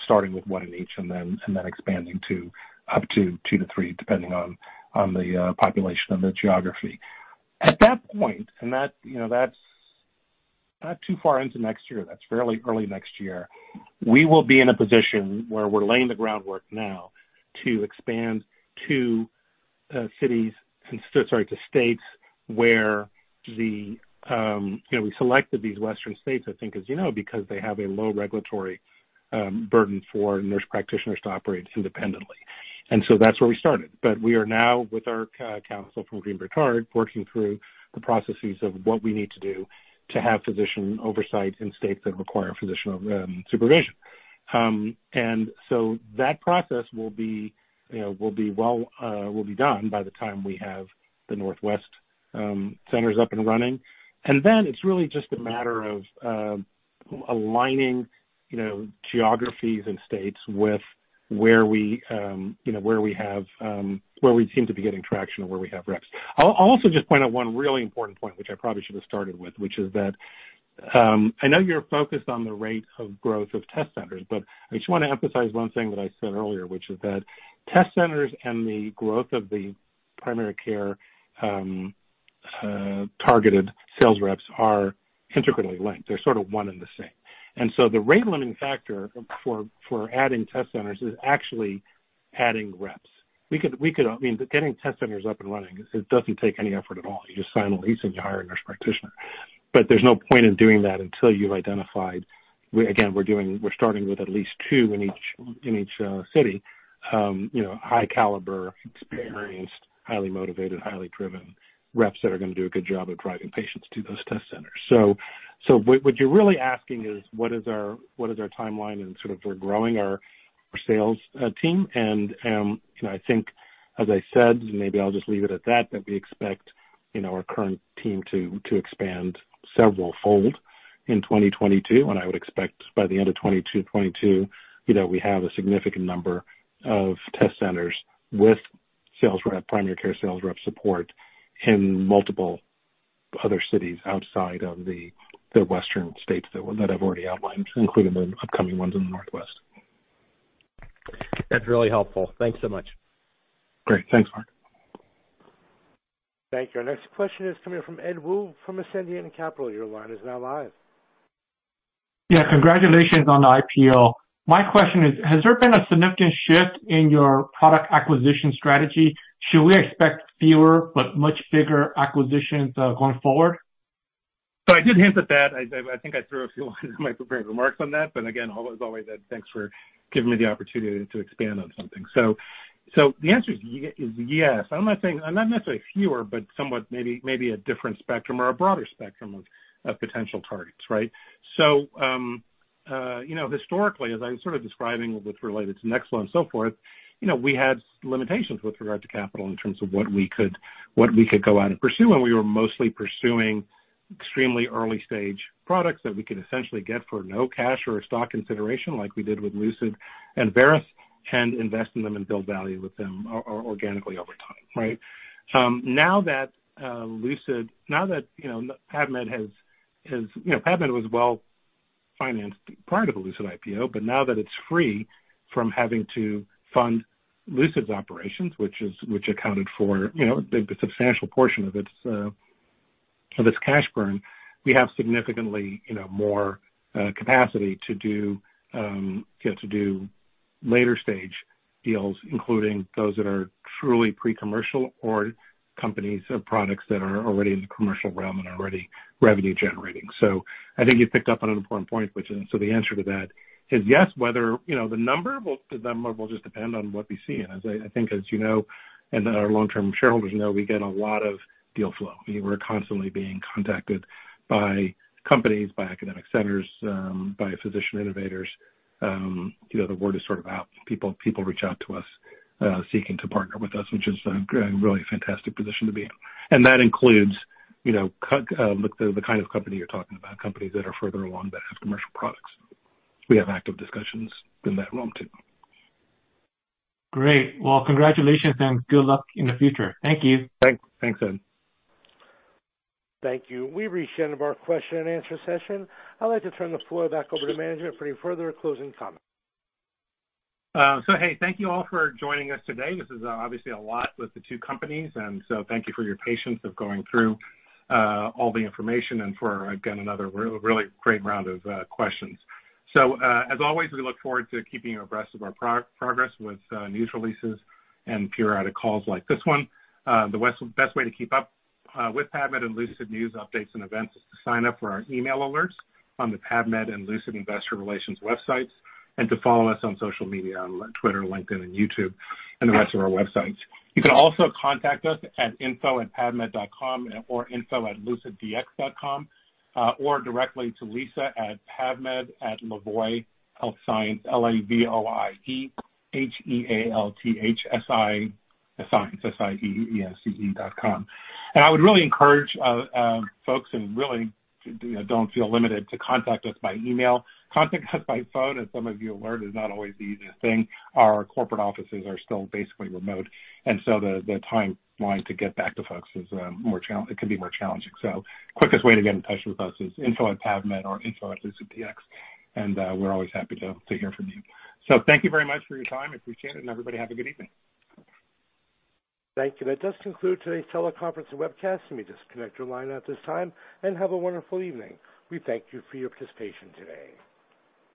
starting with one in each and then expanding to up to two to three, depending on the population and the geography. At that point, that's, you know, not too far into next year, that's fairly early next year, we will be in a position where we're laying the groundwork now to expand to states where you know we selected these western states, I think, as you know, because they have a low regulatory burden for nurse practitioners to operate independently. That's where we started. We are now, with our counsel from Greenberg Traurig, working through the processes of what we need to do to have physician oversight in states that require physician supervision. That process will be done by the time we have the Northwest centers up and running. Then it's really just a matter of aligning you know geographies and states with where we seem to be getting traction and where we have reps. I'll also just point out one really important point, which I probably should have started with, which is that I know you're focused on the rate of growth of test centers, but I just wanna emphasize one thing that I said earlier, which is that test centers and the growth of the primary care targeted sales reps are intricately linked. They're sort of one and the same. The rate limiting factor for adding test centers is actually adding reps. We could. I mean, getting test centers up and running, it doesn't take any effort at all. You just sign a lease and you hire a nurse practitioner. But there's no point in doing that until you've identified. Again, we're starting with at least two in each city, you know, high caliber, experienced, highly motivated, highly driven reps that are gonna do a good job of driving patients to those test centers. So what you're really asking is what is our timeline and sort of for growing our sales team. You know, I think as I said, maybe I'll just leave it at that we expect, you know, our current team to expand several fold in 2022. I would expect by the end of 2022, you know, we have a significant number of test centers with sales rep, primary care sales rep support in multiple other cities outside of the Western states that I've already outlined, including the upcoming ones in the Northwest. That's really helpful. Thanks so much. Great. Thanks, Mark. Thank you. Our next question is coming from Edward Woo from Ascendiant Capital. Your line is now live. Yeah, congratulations on the IPO. My question is, has there been a significant shift in your product acquisition strategy? Should we expect fewer but much bigger acquisitions, going forward? I did hint at that. I think I threw a few lines in my prepared remarks on that. Again, as always, Ed, thanks for giving me the opportunity to expand on something. The answer is yes. I'm not saying I'm not necessarily fewer, but somewhat maybe a different spectrum or a broader spectrum of potential targets, right? You know, historically, as I was sort of describing with regard to NextFlo and so forth, you know, we had limitations with regard to capital in terms of what we could go out and pursue. We were mostly pursuing extremely early-stage products that we could essentially get for no cash or a stock consideration like we did with Lucid and Veris and invest in them and build value with them or organically over time, right? Now that Lucid now that you know PAVmed has you know PAVmed was well-financed prior to the Lucid IPO, but now that it's free from having to fund Lucid's operations, which accounted for you know the substantial portion of its cash burn, we have significantly you know more capacity to do you know to do later stage deals, including those that are truly pre-commercial or companies or products that are already in the commercial realm and already revenue generating. I think you picked up on an important point, which is, so the answer to that is yes. Whether you know the number will just depend on what we see. As I think, as you know, and our long-term shareholders know, we get a lot of deal flow. We're constantly being contacted by companies, by academic centers, by physician innovators. You know, the word is sort of out. People reach out to us, seeking to partner with us, which is a really fantastic position to be in. That includes, you know, the kind of company you're talking about, companies that are further along that have commercial products. We have active discussions in that realm too. Great. Well, congratulations and good luck in the future. Thank you. Thanks. Thanks, Ed. Thank you. We've reached the end of our question and answer session. I'd like to turn the floor back over to management for any further closing comments. Hey, thank you all for joining us today. This is obviously a lot with the two companies, and thank you for your patience of going through all the information and for, again, another really great round of questions. As always, we look forward to keeping you abreast of our progress with news releases and periodic calls like this one. The best way to keep up with PAVmed and Lucid news updates and events is to sign up for our email alerts on the PAVmed and Lucid investor relations websites, and to follow us on social media, on Twitter, LinkedIn, and YouTube, and the rest of our websites. You can also contact us at info@pavmed.com or info@luciddx.com, or directly to Lisa at pavmed@lavoiehealthscience.com. I would really encourage folks and really, you know, don't feel limited to contact us by email. Contact us by phone, as some of you are aware, is not always the easiest thing. Our corporate offices are still basically remote, and so the timeline to get back to folks is more challenging. Quickest way to get in touch with us is info@pavmed.com or info@luciddx.com, and we're always happy to hear from you. Thank you very much for your time. I appreciate it, and everybody have a good evening. Thank you. That does conclude today's teleconference and webcast. Let me disconnect your line at this time, and have a wonderful evening. We thank you for your participation today.